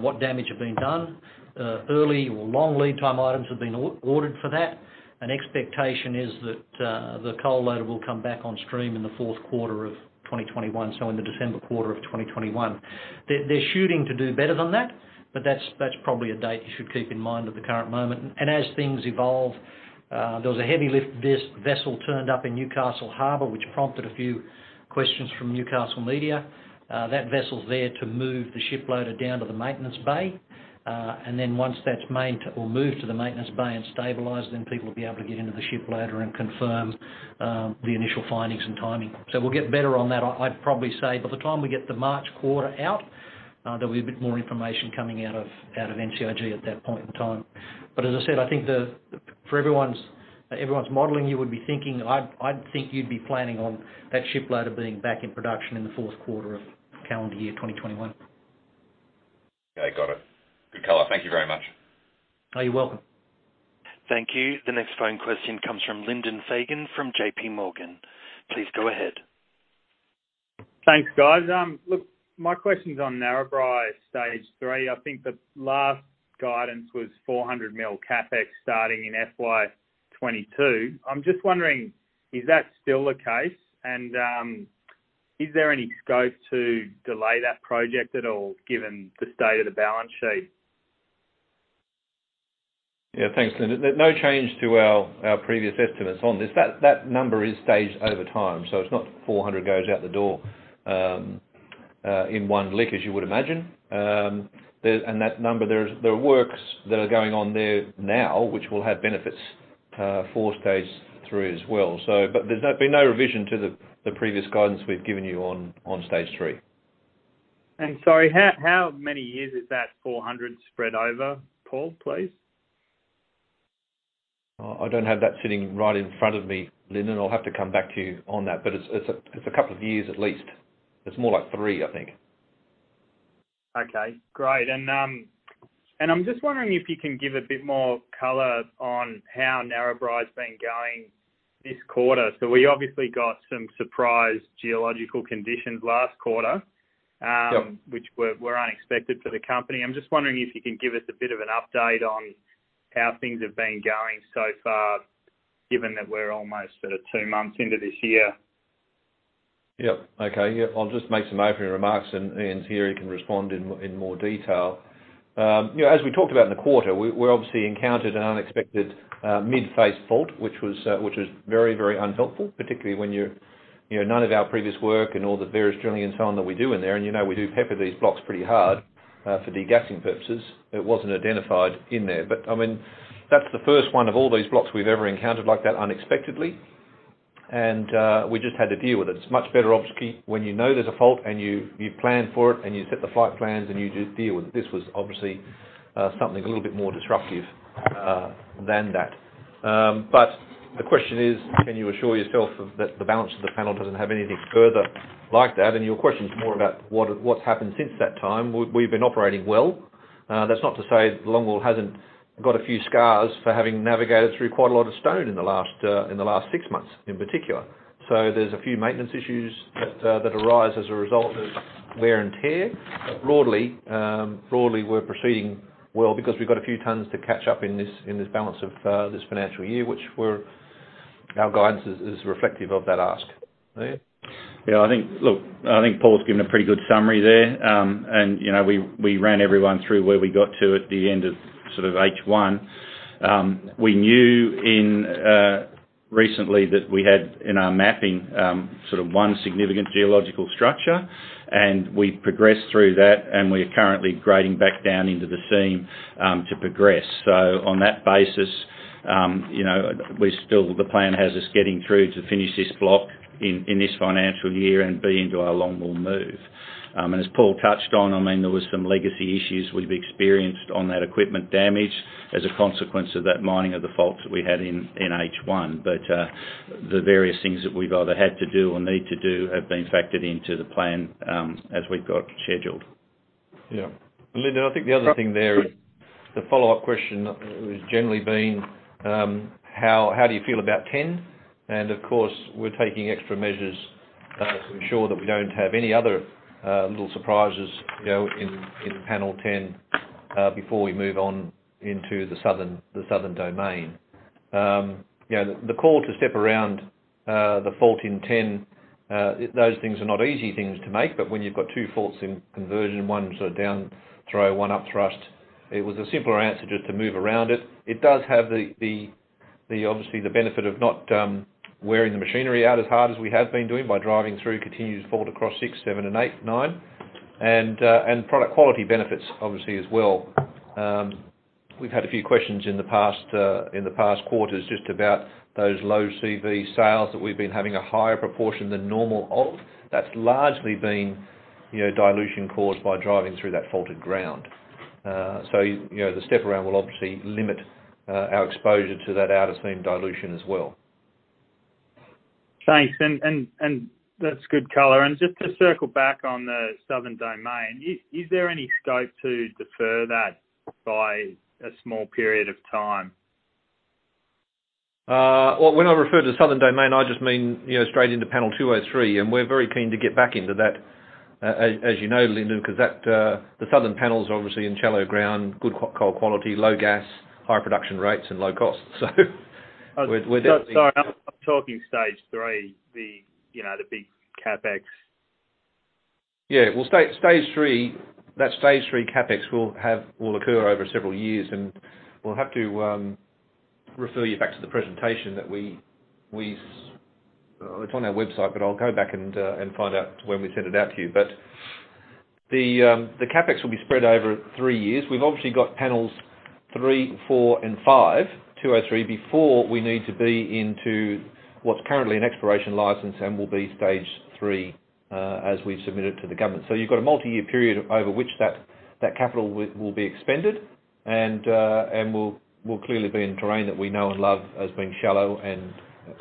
what damage had been done. Early or long lead time items had been ordered for that. An expectation is that the coal loader will come back on stream in the fourth quarter of 2021, so in the December quarter of 2021. They're shooting to do better than that, but that's probably a date you should keep in mind at the current moment. As things evolve, there was a heavy-lift vessel turned up in Newcastle Harbour, which prompted a few questions from Newcastle media. That vessel's there to move the ship loader down to the maintenance bay. And then once that's moved to the maintenance bay and stabilized, then people will be able to get into the ship loader and confirm the initial findings and timing. So we'll get better on that, I'd probably say. By the time we get the March quarter out, there'll be a bit more information coming out of NCIG at that point in time. But as I said, I think for everyone's modeling, you would be thinking, I'd think you'd be planning on that ship loader being back in production in the fourth quarter of calendar year 2021. Okay. Got it. Good color. Thank you very much. Oh, you're welcome. Thank you. The next phone question comes from Lyndon Fagan from J.P. Morgan. Please go ahead. Thanks, guys. Look, my question's on Narrabri Stage 3. I think the last guidance was 400 million CapEx starting in FY2022. I'm just wondering, is that still the case, and is there any scope to delay that project at all given the state of the balance sheet? Yeah. Thanks, Lyndon. No change to our previous estimates on this. That number is staged over time, so it's not 400 goes out the door in one lick, as you would imagine. And that number, there are works that are going on there now, which will have benefits for Stage 3 as well. But there's been no revision to the previous guidance we've given you on Stage 3. Sorry, how many years is that 400 spread over, Paul, please? I don't have that sitting right in front of me, Lyndon. I'll have to come back to you on that, but it's a couple of years at least. It's more like three, I think. Okay. Great. And I'm just wondering if you can give a bit more color on how Narrabri's been going this quarter. So we obviously got some surprise geological conditions last quarter, which were unexpected for the company. I'm just wondering if you can give us a bit of an update on how things have been going so far, given that we're almost two months into this year. Yep. Okay. Yeah. I'll just make some opening remarks, and Ian's here. He can respond in more detail. As we talked about in the quarter, we obviously encountered an unexpected mid-phase fault, which was very, very unhelpful, particularly when none of our previous work and all the various drilling and so on that we do in there, and we do pepper these blocks pretty hard for degassing purposes, it wasn't identified in there. But I mean, that's the first one of all those blocks we've ever encountered like that unexpectedly, and we just had to deal with it. It's much better when you know there's a fault and you plan for it and you set the flight plans and you just deal with it. This was obviously something a little bit more disruptive than that. But the question is, can you assure yourself that the balance of the panel doesn't have anything further like that? And your question's more about what's happened since that time. We've been operating well. That's not to say Longwall hasn't got a few scars for having navigated through quite a lot of stone in the last six months in particular. So there's a few maintenance issues that arise as a result of wear and tear. But broadly, we're proceeding well because we've got a few tons to catch up in this balance of this financial year, which our guidance is reflective of that ask. Ian. I think, look, I think Paul's given a pretty good summary there, and we ran everyone through where we got to at the end of sort of H1. We knew recently that we had in our mapping sort of one significant geological structure, and we've progressed through that, and we're currently grading back down into the seam to progress, so on that basis we still. The plan has us getting through to finish this block in this financial year and be into our Longwall move, and as Paul touched on, I mean, there were some legacy issues we've experienced on that equipment damage as a consequence of that mining of the faults that we had in H1, but the various things that we've either had to do or need to do have been factored into the plan as we've got scheduled. Yeah. Lyndon, I think the other thing there is the follow-up question has generally been, "How do you feel about 10?" And of course, we're taking extra measures to ensure that we don't have any other little surprises in Panel 10 before we move on into the southern domain. The call to step around the fault in 10, those things are not easy things to make, but when you've got two faults in conversion, one sort of downthrow, one upthrust, it was a simpler answer just to move around it. It does have obviously the benefit of not wearing the machinery out as hard as we have been doing by driving through continuous fault across six, seven, and eight, nine, and product quality benefits, obviously, as well. We've had a few questions in the past quarters just about those low CV sales that we've been having a higher proportion than normal of. That's largely been dilution caused by driving through that faulted ground. So the step around will obviously limit our exposure to that out-of-seam dilution as well. Thanks. And that's good color. And just to circle back on the southern domain, is there any scope to defer that by a small period of time? When I refer to the southern domain, I just mean straight into Panel 203, and we're very keen to get back into that, as you know, Lyndon, because the southern panels are obviously in shallow ground, good coal quality, low gas, high production rates, and low cost. So we're definitely. Sorry, I'm talking Stage 3, the big CapEx. Yeah. Well, Stage 3, that Stage 3 CapEx will occur over several years, and we'll have to refer you back to the presentation that we—it's on our website, but I'll go back and find out when we send it out to you. But the CapEx will be spread over three years. We've obviously got Panels 3, 4, and 5 to 2030 before we need to be into what's currently an exploration license and will be Stage 3 as we've submitted to the government. So you've got a multi-year period over which that capital will be expended, and we'll clearly be in terrain that we know and love as being shallow and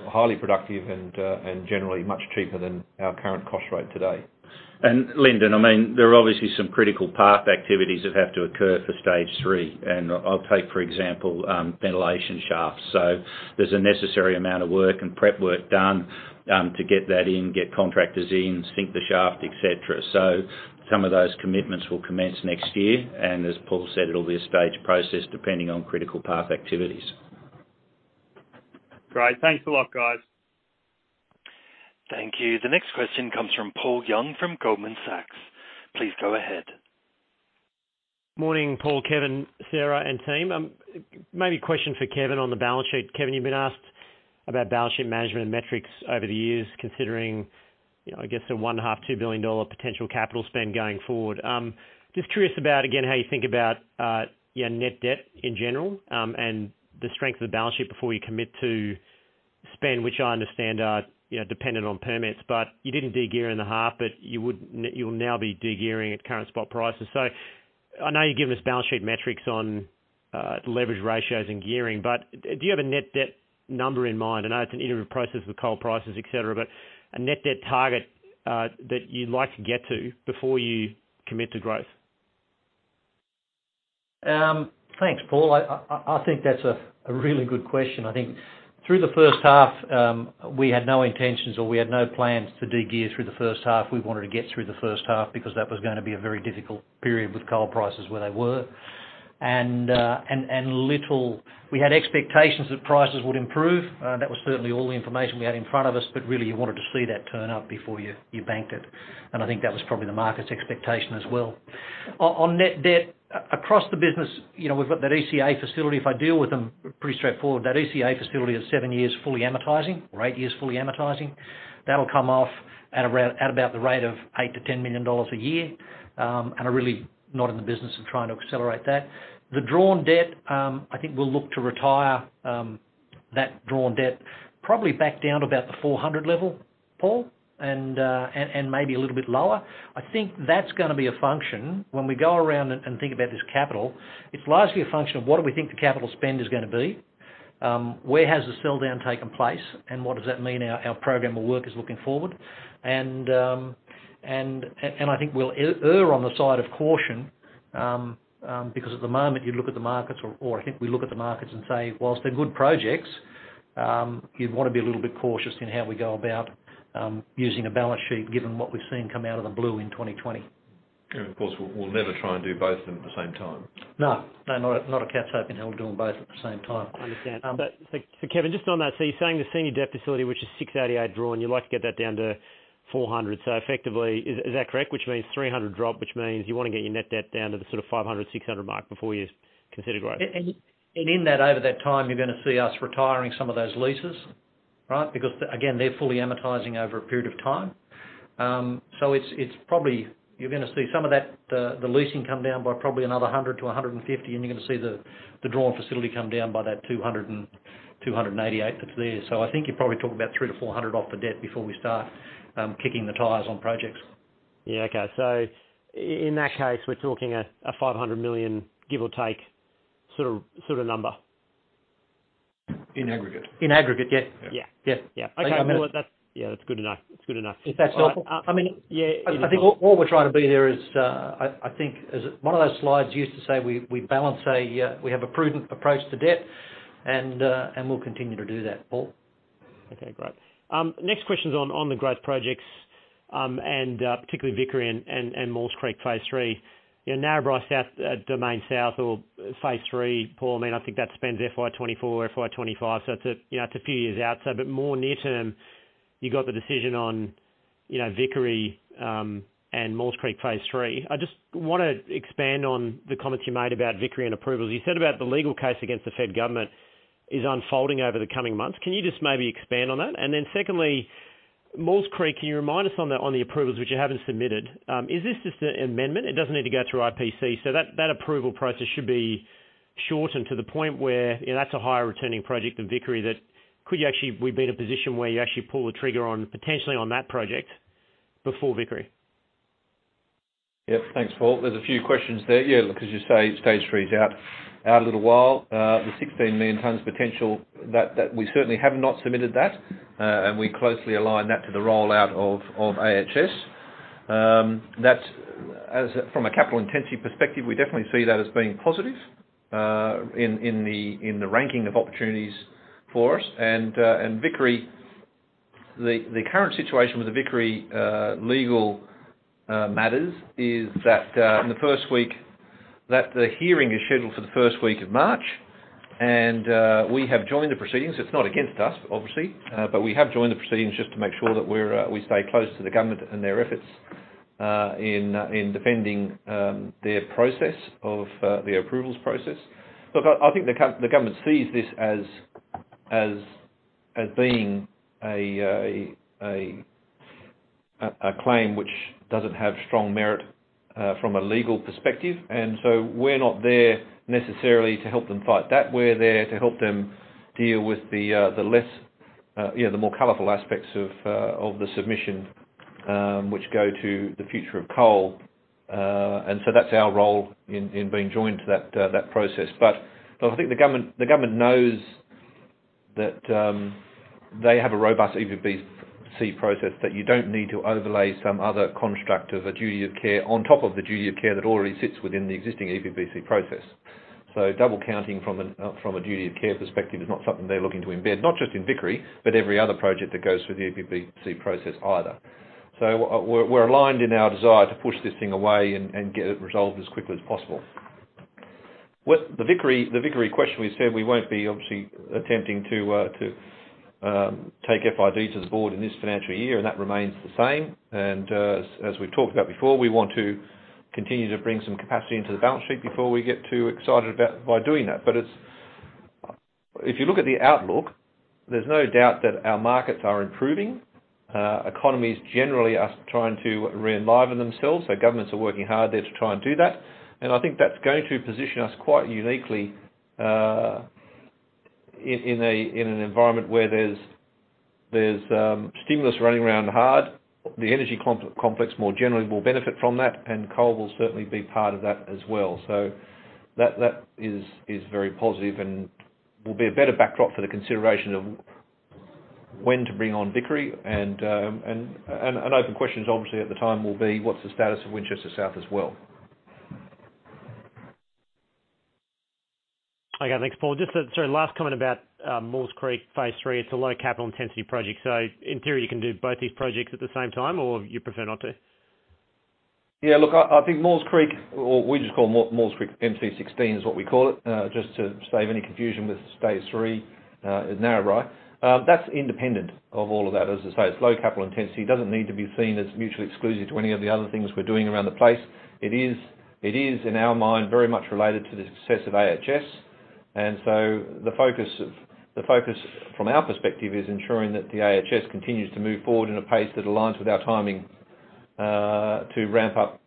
highly productive and generally much cheaper than our current cost rate today. And Lyndon, I mean, there are obviously some critical path activities that have to occur for Stage 3, and I'll take, for example, ventilation shafts. So there's a necessary amount of work and prep work done to get that in, get contractors in, sink the shaft, etc. So some of those commitments will commence next year, and as Paul said, it'll be a staged process depending on critical path activities. Great. Thanks a lot, guys. Thank you. The next question comes from Paul Young from Goldman Sachs. Please go ahead. Morning, Paul, Kevin, Sarah, and team. Maybe a question for Kevin on the balance sheet. Kevin, you've been asked about balance sheet management and metrics over the years, considering, I guess, an 0.5-2 billion dollar potential capital spend going forward. Just curious about, again, how you think about net debt in general and the strength of the balance sheet before you commit to spend, which I understand are dependent on permits, but you didn't degear in the half, but you'll now be degearing at current spot prices, so I know you've given us balance sheet metrics on leverage ratios and gearing, but do you have a net debt number in mind? I know it's an iterative process with coal prices, etc., but a net debt target that you'd like to get to before you commit to growth? Thanks, Paul. I think that's a really good question. I think through the first half, we had no intentions or we had no plans to degear through the first half. We wanted to get through the first half because that was going to be a very difficult period with coal prices where they were, and we had expectations that prices would improve. That was certainly all the information we had in front of us, but really, you wanted to see that turn up before you banked it, and I think that was probably the market's expectation as well. On net debt across the business, we've got that ECA facility. If I deal with them, pretty straightforward. That ECA facility is seven years fully amortizing or eight years fully amortizing. That'll come off at about the rate of 8 million-10 million dollars a year, and I'm really not in the business of trying to accelerate that. The drawn debt, I think we'll look to retire that drawn debt probably back down to about the 400 level, Paul, and maybe a little bit lower. I think that's going to be a function when we go around and think about this capital. It's largely a function of what do we think the capital spend is going to be, where has the sell-down taken place, and what does that mean our program of work is looking forward, and I think we'll err on the side of caution because at the moment, you look at the markets, or I think we look at the markets and say, "Whilst they're good projects, you'd want to be a little bit cautious in how we go about using a balance sheet given what we've seen come out of the blue in 2020. Of course, we'll never try and do both at the same time. No. No, not a cat's hope in hell doing both at the same time. I understand. So Kevin, just on that, so you're saying the senior debt facility, which is 688 drawn, you'd like to get that down to 400. So effectively, is that correct? Which means 300 drop, which means you want to get your net debt down to the sort of 500-600 mark before you consider growth. And in that, over that time, you're going to see us retiring some of those leases, right? Because again, they're fully amortizing over a period of time. So you're going to see some of that, the leasing come down by probably another 100-150, and you're going to see the drawn facility come down by that 288 that's there. So I think you're probably talking about 300-400 off the debt before we start kicking the tires on projects. Yeah. Okay. So in that case, we're talking 500 million, give or take, sort of number. In aggregate. In aggregate, yeah. Yeah. That's good enough. That's good enough. If that's helpful. I mean, yeah. I think all we're trying to be there is, I think, as one of those slides used to say, "We balance a we have a prudent approach to debt, and we'll continue to do that, Paul. Okay. Great. Next question's on the growth projects and particularly Vickery and Maules Creek Phase III. Narrabri South, domain south or Phase III, Paul. I mean, I think that spends FY2024, FY2025, so it's a few years out. But more near term, you've got the decision on Vickery and Maules Creek Phase III. I just want to expand on the comments you made about Vickery and approvals. You said about the legal case against the Federal Government is unfolding over the coming months. Can you just maybe expand on that? And then secondly, Maules Creek, can you remind us on the approvals which you haven't submitted? Is this just an amendment? It doesn't need to go through IPC. So that approval process should be shortened to the point where that's a higher returning project than Vickery. Could we be in a position where you actually pull the trigger on potentially that project before Vickery? Yep. Thanks, Paul. There's a few questions there. Yeah. Because you say stage three's out a little while. The 16 million tons potential, we certainly have not submitted that, and we closely align that to the rollout of AHS. From a capital intensity perspective, we definitely see that as being positive in the ranking of opportunities for us. And Vickery, the current situation with the Vickery legal matters is that the hearing is scheduled for the first week of March, and we have joined the proceedings. It's not against us, obviously, but we have joined the proceedings just to make sure that we stay close to the government and their efforts in defending their process of the approvals process. Look, I think the government sees this as being a claim which doesn't have strong merit from a legal perspective. We're not there necessarily to help them fight that. We're there to help them deal with the less, yeah, the more colorful aspects of the submission which go to the future of coal. That's our role in being joined to that process. But look, I think the government knows that they have a robust EPBC process, that you don't need to overlay some other construct of a duty of care on top of the duty of care that already sits within the existing EPBC process. So double counting from a duty of care perspective is not something they're looking to embed, not just in Vickery, but every other project that goes through the EPBC process either. We're aligned in our desire to push this thing away and get it resolved as quickly as possible. The Vickery question, we said we won't be obviously attempting to take FID to the board in this financial year, and that remains the same. And as we've talked about before, we want to continue to bring some capacity into the balance sheet before we get too excited by doing that. But if you look at the outlook, there's no doubt that our markets are improving. Economies generally are trying to re-enliven themselves. So governments are working hard there to try and do that. And I think that's going to position us quite uniquely in an environment where there's stimulus running around hard. The energy complex more generally will benefit from that, and coal will certainly be part of that as well. So that is very positive and will be a better backdrop for the consideration of when to bring on Vickery. An open question, obviously, at the time will be, "What's the status of Winchester South as well? Okay. Thanks, Paul. Just a sort of last comment about Maules Creek Phase III. It's a low capital intensity project. So in theory, you can do both these projects at the same time, or you prefer not to? Yeah. Look, I think Maules Creek, or we just call Maules Creek MC16 is what we call it, just to save any confusion with Stage 3, Narrabri. That's independent of all of that. As I say, it's low capital intensity. It doesn't need to be seen as mutually exclusive to any of the other things we're doing around the place. It is, in our mind, very much related to the success of AHS. And so the focus from our perspective is ensuring that the AHS continues to move forward in a pace that aligns with our timing to ramp up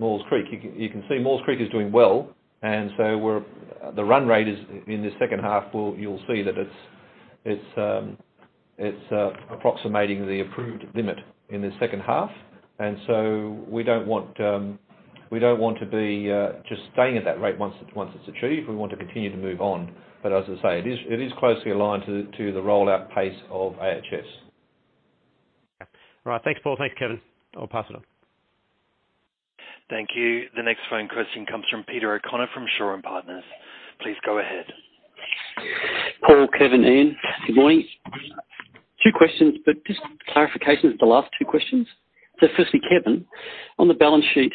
Maules Creek. You can see Maules Creek is doing well, and so the run rate is in the second half. You'll see that it's approximating the approved limit in the second half. And so we don't want to be just staying at that rate once it's achieved. We want to continue to move on. But as I say, it is closely aligned to the rollout pace of AHS. All right. Thanks, Paul. Thanks, Kevin. I'll pass it on. Thank you. The next phone question comes from Peter O'Connor from Shaw and Partners. Please go ahead. Paul, Kevin, Ian. Good morning. Two questions, but just clarifications of the last two questions. So firstly, Kevin, on the balance sheet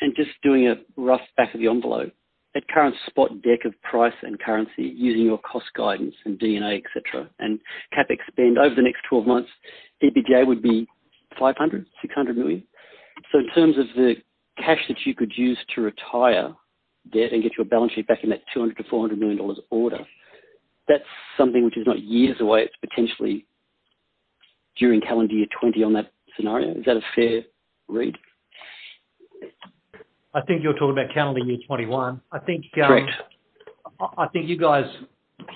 and just doing a rough back of the envelope, at current spot price deck of price and currency using your cost guidance and EBITDA, etc., and CapEx over the next 12 months, EBITDA would be 500 million-600 million. So in terms of the cash that you could use to retire debt and get your balance sheet back in that 200 million-400 million dollars order, that's something which is not years away. It's potentially during calendar year 2021 on that scenario. Is that a fair read? I think you're talking about calendar year 2021. I think. I think, you guys,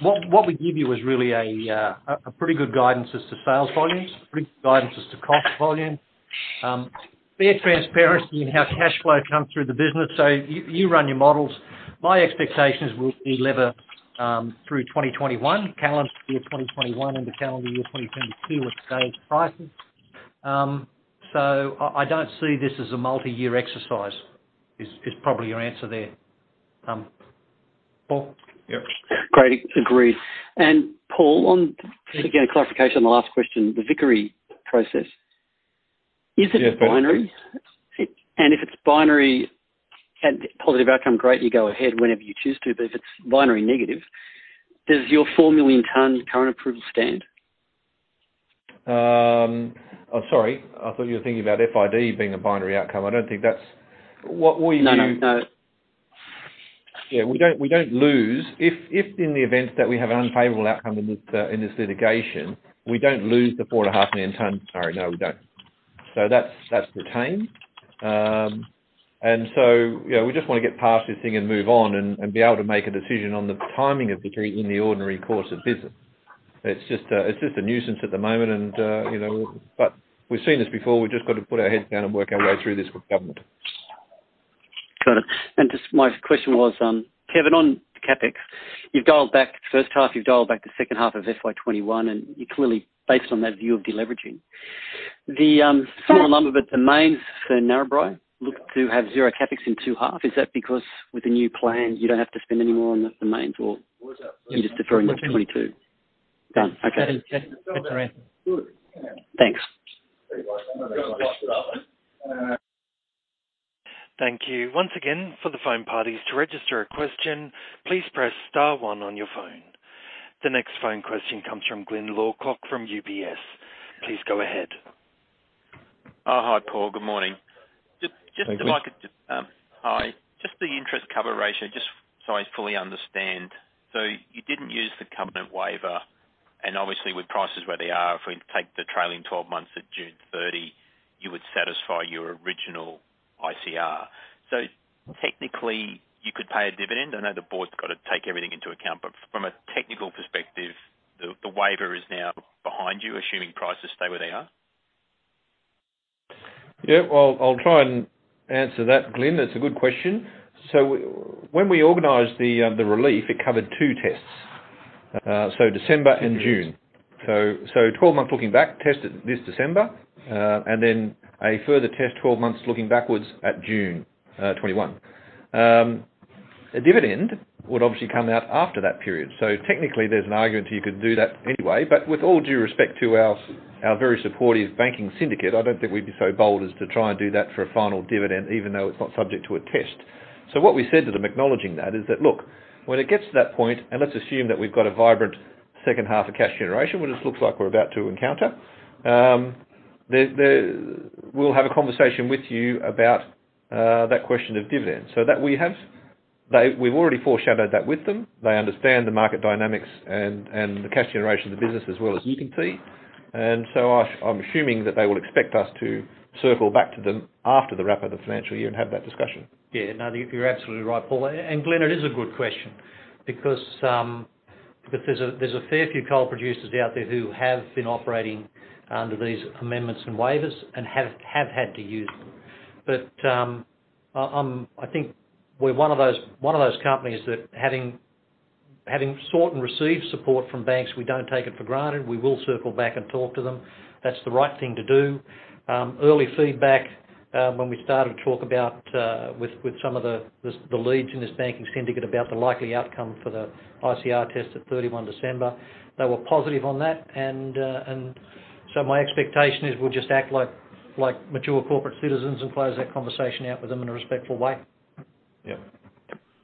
what we give you is really a pretty good guidance as to sales volumes, pretty good guidance as to cost volumes, fair transparency in how cash flow comes through the business. So you run your models. My expectations will be lower through 2021, calendar year 2021, and the calendar year 2022 with today's prices. So I don't see this as a multi-year exercise. It's probably your answer there. Paul? Yep. Great. Agreed. And Paul, again, a clarification on the last question, the Vickery process. Is it a binary? And if it's binary and positive outcome, great, you go ahead whenever you choose to. But if it's binary negative, does your 4 million ton current approval stand? Oh, sorry. I thought you were thinking about FID being a binary outcome. I don't think that's what you mean? No. No. Yeah. We don't lose if in the event that we have an unfavorable outcome in this litigation, we don't lose the 4.5 million tonne. Sorry. No, we don't. So that's retained. And so we just want to get past this thing and move on and be able to make a decision on the timing of Vickery in the ordinary course of business. It's just a nuisance at the moment. But we've seen this before. We've just got to put our heads down and work our way through this with government. Got it. And just my question was, Kevin, on the CapEx, you've dialed back the first half. You've dialed back the second half of FY2021, and you're clearly based on that view of deleveraging. The final number, but the mine's for Narrabri look to have zero CapEx in the second half. Is that because with the new plan, you don't have to spend any more on the mine's, or you're just deferring the 2022? That's correct. Thanks. Thank you. Once again, for the phone participants to register a question, please press star one on your phone. The next phone question comes from Glyn Lawcock from UBS. Please go ahead. Hi, Paul. Good morning. Just if I could. Hi. Hi. Just the Interest Cover Ratio, just so I fully understand. So you didn't use the covenant waiver, and obviously, with prices where they are, if we take the trailing 12 months at June 30, you would satisfy your original ICR. So technically, you could pay a dividend. I know the board's got to take everything into account, but from a technical perspective, the waiver is now behind you, assuming prices stay where they are. Yeah. Well, I'll try and answer that, Glyn. That's a good question. So when we organized the relief, it covered two tests: December and June. So 12 months looking back, tested this December, and then a further test, 12 months looking backwards at June 2021. A dividend would obviously come out after that period. So technically, there's an argument you could do that anyway. But with all due respect to our very supportive banking syndicate, I don't think we'd be so bold as to try and do that for a final dividend, even though it's not subject to a test. So what we said to them, acknowledging that, is that, "Look, when it gets to that point, and let's assume that we've got a vibrant second half of cash generation, which looks like we're about to encounter, we'll have a conversation with you about that question of dividends." So that we have, we've already foreshadowed that with them. They understand the market dynamics and the cash generation of the business as well as you can see. And so I'm assuming that they will expect us to circle back to them after the wrap of the financial year and have that discussion. Yeah. No, you're absolutely right, Paul, and Glyn, it is a good question because there's a fair few coal producers out there who have been operating under these amendments and waivers and have had to use them, but I think we're one of those companies that, having sought and received support from banks, we don't take it for granted. We will circle back and talk to them. That's the right thing to do. Early feedback when we started to talk about with some of the leads in this banking syndicate about the likely outcome for the ICR test at 31st December, they were positive on that, and so my expectation is we'll just act like mature corporate citizens and close that conversation out with them in a respectful way. Yeah.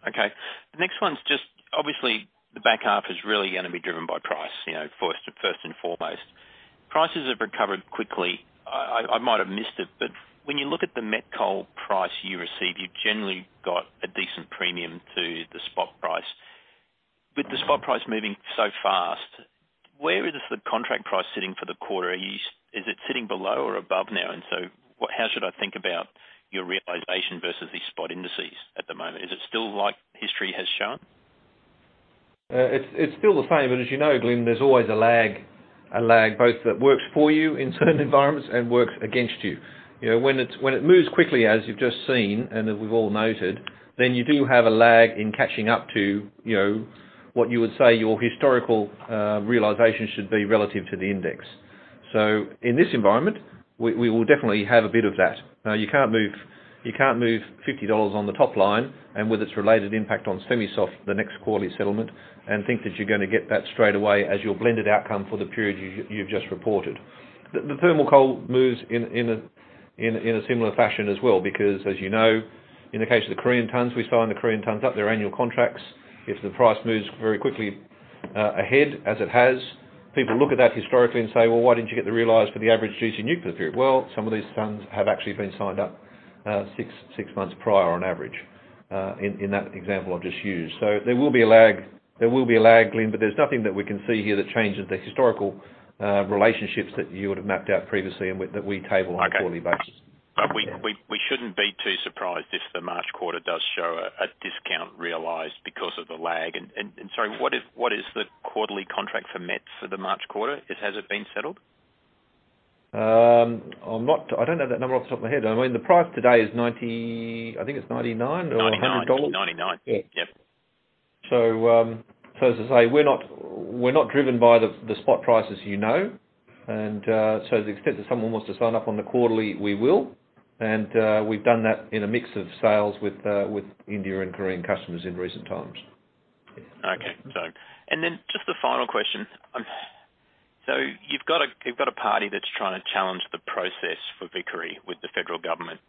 Okay. The next one's just, obviously, the back half is really going to be driven by price, first and foremost. Prices have recovered quickly. I might have missed it, but when you look at the met coal price you receive, you've generally got a decent premium to the spot price. With the spot price moving so fast, where is the contract price sitting for the quarter? Is it sitting below or above now? And so how should I think about your realization versus these spot indices at the moment? Is it still like history has shown? It's still the same. But as you know, Glyn, there's always a lag, a lag both that works for you in certain environments and works against you. When it moves quickly, as you've just seen and we've all noted, then you do have a lag in catching up to what you would say your historical realization should be relative to the index. So in this environment, we will definitely have a bit of that. You can't move $50 on the top line and with its related impact on semi-soft the next quarterly settlement and think that you're going to get that straight away as your blended outcome for the period you've just reported. The thermal coal moves in a similar fashion as well because, as you know, in the case of the Korean tons, we signed the Korean tons up, their annual contracts. If the price moves very quickly ahead, as it has, people look at that historically and say, "Well, why didn't you get the realized for the average quarterly period?" Well, some of these tons have actually been signed up six months prior on average in that example I've just used. So there will be a lag, Glyn, but there's nothing that we can see here that changes the historical relationships that you would have mapped out previously and that we table on a quarterly basis. But we shouldn't be too surprised if the March quarter does show a discount realized because of the lag. And sorry, what is the quarterly contract for mets for the March quarter? Has it been settled? I don't know that number off the top of my head. I mean, the price today is $90, I think it's $99 or $100. 99. Yeah. Yeah. So as I say, we're not driven by the spot prices, you know. And so to the extent that someone wants to sign up on the quarterly, we will. And we've done that in a mix of sales with India and Korean customers in recent times. Okay. And then just the final question. So you've got a party that's trying to challenge the process for Vickery with the federal government.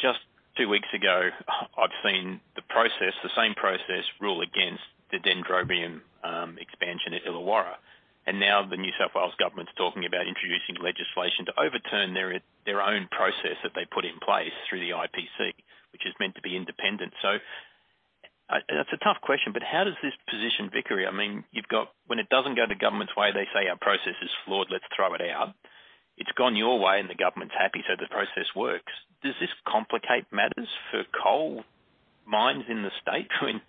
Just two weeks ago, I've seen the same process rule against the Dendrobium expansion at Illawarra. And now the New South Wales government's talking about introducing legislation to overturn their own process that they put in place through the IPC, which is meant to be independent. So that's a tough question, but how does this position Vickery? I mean, when it doesn't go the government's way, they say, "Our process is flawed. Let's throw it out." It's gone your way, and the government's happy, so the process works. Does this complicate matters for coal mines in the state when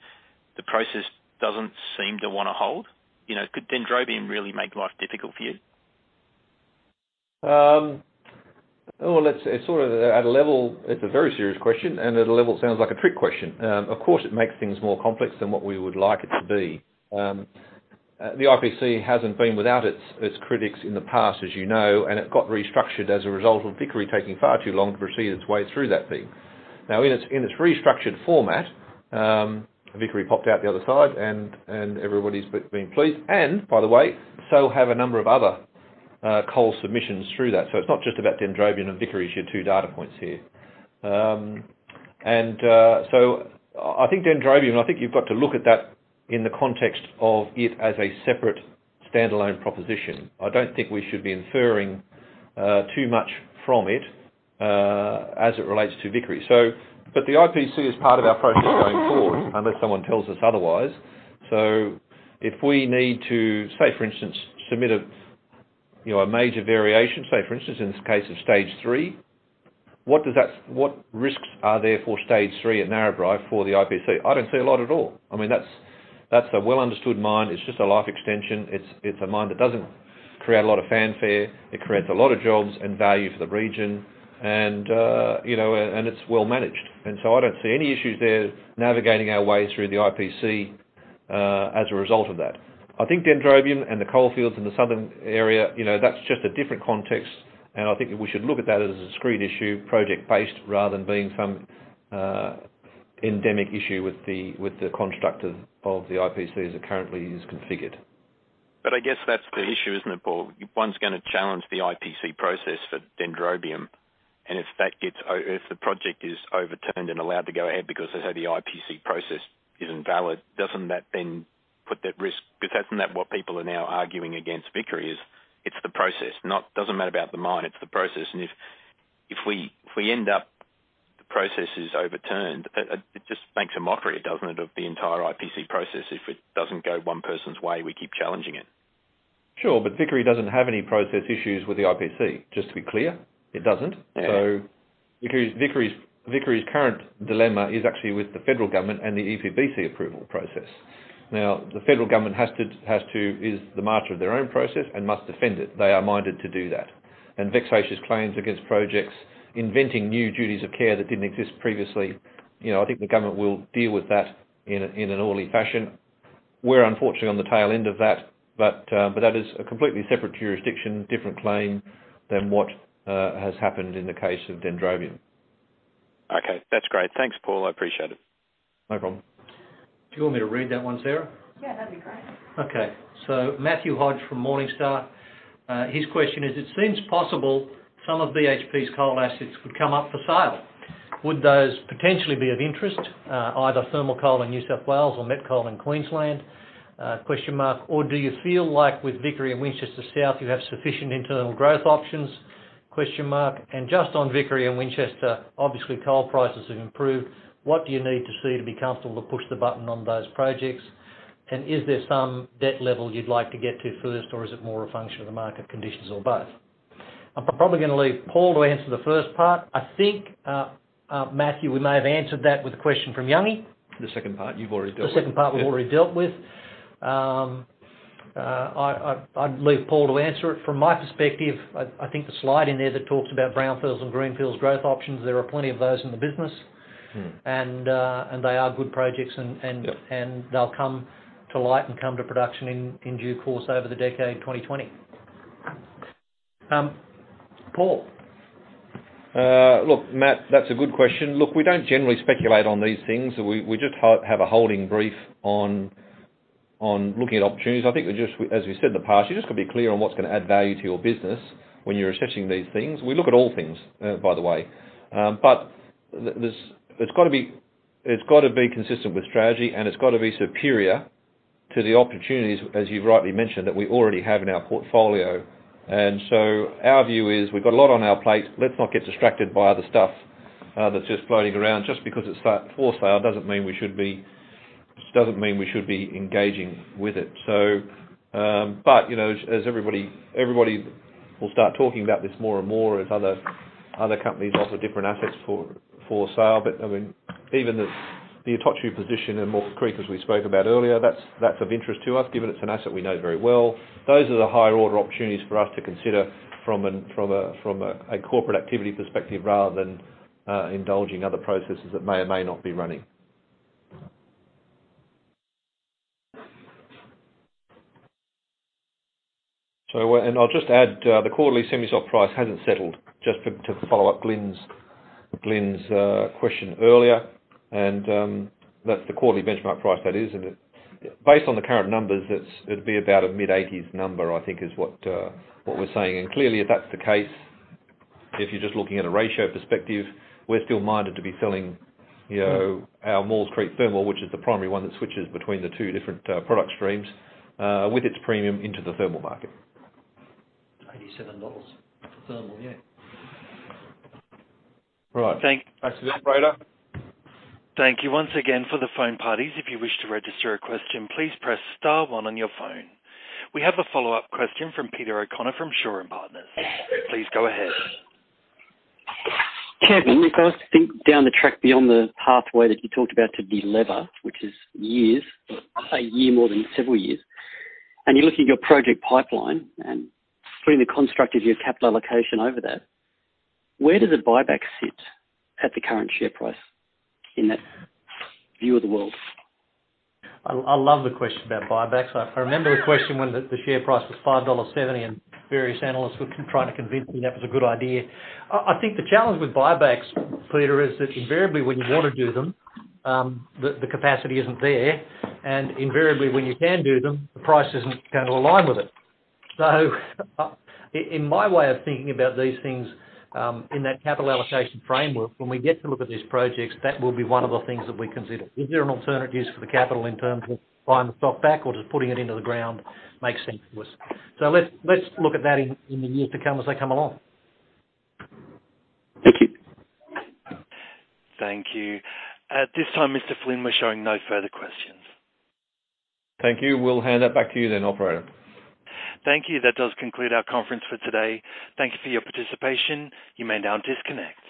the process doesn't seem to want to hold? Could Dendrobium really make life difficult for you? It's sort of at a level it's a very serious question, and at a level it sounds like a trick question. Of course, it makes things more complex than what we would like it to be. The IPC hasn't been without its critics in the past, as you know, and it got restructured as a result of Vickery taking far too long to proceed its way through that thing. Now, in its restructured format, Vickery popped out the other side, and everybody's been pleased, and by the way, so have a number of other coal submissions through that. It's not just about Dendrobium and Vickery. You have two data points here, so I think Dendrobium, I think you've got to look at that in the context of it as a separate standalone proposition. I don't think we should be inferring too much from it as it relates to Vickery. But the IPC is part of our process going forward unless someone tells us otherwise. So if we need to, say, for instance, submit a major variation, say, for instance, in the case of Stage 3, what risks are there for Stage 3 at Narrabri for the IPC? I don't see a lot at all. I mean, that's a well-understood mine. It's just a life extension. It's a mine that doesn't create a lot of fanfare. It creates a lot of jobs and value for the region, and it's well-managed. And so I don't see any issues there navigating our way through the IPC as a result of that. I think Dendrobium and the coalfields in the southern area, that's just a different context. I think we should look at that as a discrete issue, project-based, rather than being some endemic issue with the construct of the IPC as it currently is configured. But I guess that's the issue, isn't it, Paul? One's going to challenge the IPC process for Dendrobium. And if the project is overturned and allowed to go ahead because they say the IPC process isn't valid, doesn't that then put that risk? Because that's not what people are now arguing against Vickery, is it's the process. It doesn't matter about the mine. It's the process. And if we end up the process is overturned, it just makes a mockery, doesn't it, of the entire IPC process. If it doesn't go one person's way, we keep challenging it. Sure. But Vickery doesn't have any process issues with the IPC, just to be clear. It doesn't. So Vickery's current dilemma is actually with the federal government and the EPBC approval process. Now, the federal government is the master of their own process and must defend it. They are minded to do that, and vexatious claims against projects, inventing new duties of care that didn't exist previously. I think the government will deal with that in an orderly fashion. We're unfortunately on the tail end of that, but that is a completely separate jurisdiction, different claim than what has happened in the case of Dendrobium. Okay. That's great. Thanks, Paul. I appreciate it. No problem. Do you want me to read that one, Sarah? Yeah, that'd be great. Okay. So Matthew Hodge from Morningstar. His question is, "It seems possible some of BHP's coal assets would come up for sale. Would those potentially be of interest, either thermal coal in New South Wales or met coal in Queensland?" Or, "Do you feel like with Vickery and Winchester South, you have sufficient internal growth options?" And just on Vickery and Winchester, obviously, coal prices have improved. What do you need to see to be comfortable to push the button on those projects? And is there some debt level you'd like to get to first, or is it more a function of the market conditions or both? I'm probably going to leave Paul to answer the first part. I think, Matthew, we may have answered that with a question from Paul Young. The second part you've already dealt with. The second part we've already dealt with. I'd leave Paul to answer it. From my perspective, I think the slide in there that talks about brownfields and greenfields growth options, there are plenty of those in the business, and they are good projects, and they'll come to light and come to production in due course over the decade 2020. Paul. Look, Matt, that's a good question. Look, we don't generally speculate on these things. We just have a holding brief on looking at opportunities. I think, as we said in the past, you just got to be clear on what's going to add value to your business when you're assessing these things. We look at all things, by the way. But it's got to be consistent with strategy, and it's got to be superior to the opportunities, as you've rightly mentioned, that we already have in our portfolio. And so our view is we've got a lot on our plate. Let's not get distracted by other stuff that's just floating around. Just because it's for sale doesn't mean we should be engaging with it. Everybody will start talking about this more and more as other companies offer different assets for sale. I mean, even the Itochu position and Maules Creek, as we spoke about earlier, that's of interest to us given it's an asset we know very well. Those are the higher order opportunities for us to consider from a corporate activity perspective rather than indulging other processes that may or may not be running. I'll just add the quarterly semi-soft price hasn't settled, just to follow up Glyn's question earlier. That's the quarterly benchmark price that is. Based on the current numbers, it'd be about a mid-80s number, I think, is what we're saying. Clearly, if that's the case, if you're just looking at a ratio perspective, we're still minded to be selling our Maules Creek thermal, which is the primary one that switches between the two different product streams with its premium into the thermal market. $87 for thermal. Yeah. Operator. Thank you once again for the phone participants. If you wish to register a question, please press star one on your phone. We have a follow-up question from Peter O'Connor from Shore and Partners. Please go ahead. Kevin, no let's think down the track beyond the pathway that you talked about to deliver, which is years. I'll say more than several years. And you're looking at your project pipeline and putting the construct of your capital allocation over that. Where does the buyback sit at the current share price in that view of the world? I love the question about buybacks. I remember the question when the share price was 5.70 dollars, and various analysts were trying to convince me that was a good idea. I think the challenge with buybacks, Peter, is that invariably when you want to do them, the capacity isn't there. And invariably when you can do them, the price isn't going to align with it. So in my way of thinking about these things in that capital allocation framework, when we get to look at these projects, that will be one of the things that we consider. Is there an alternative use for the capital in terms of buying the stock back or just putting it into the ground makes sense to us? So let's look at that in the years to come as they come along. Thank you. At this time, Mr. Flynn was showing no further questions. Thank you. We'll hand that back to you then, Operator. Thank you. That does conclude our conference for today. Thank you for your participation. You may now disconnect.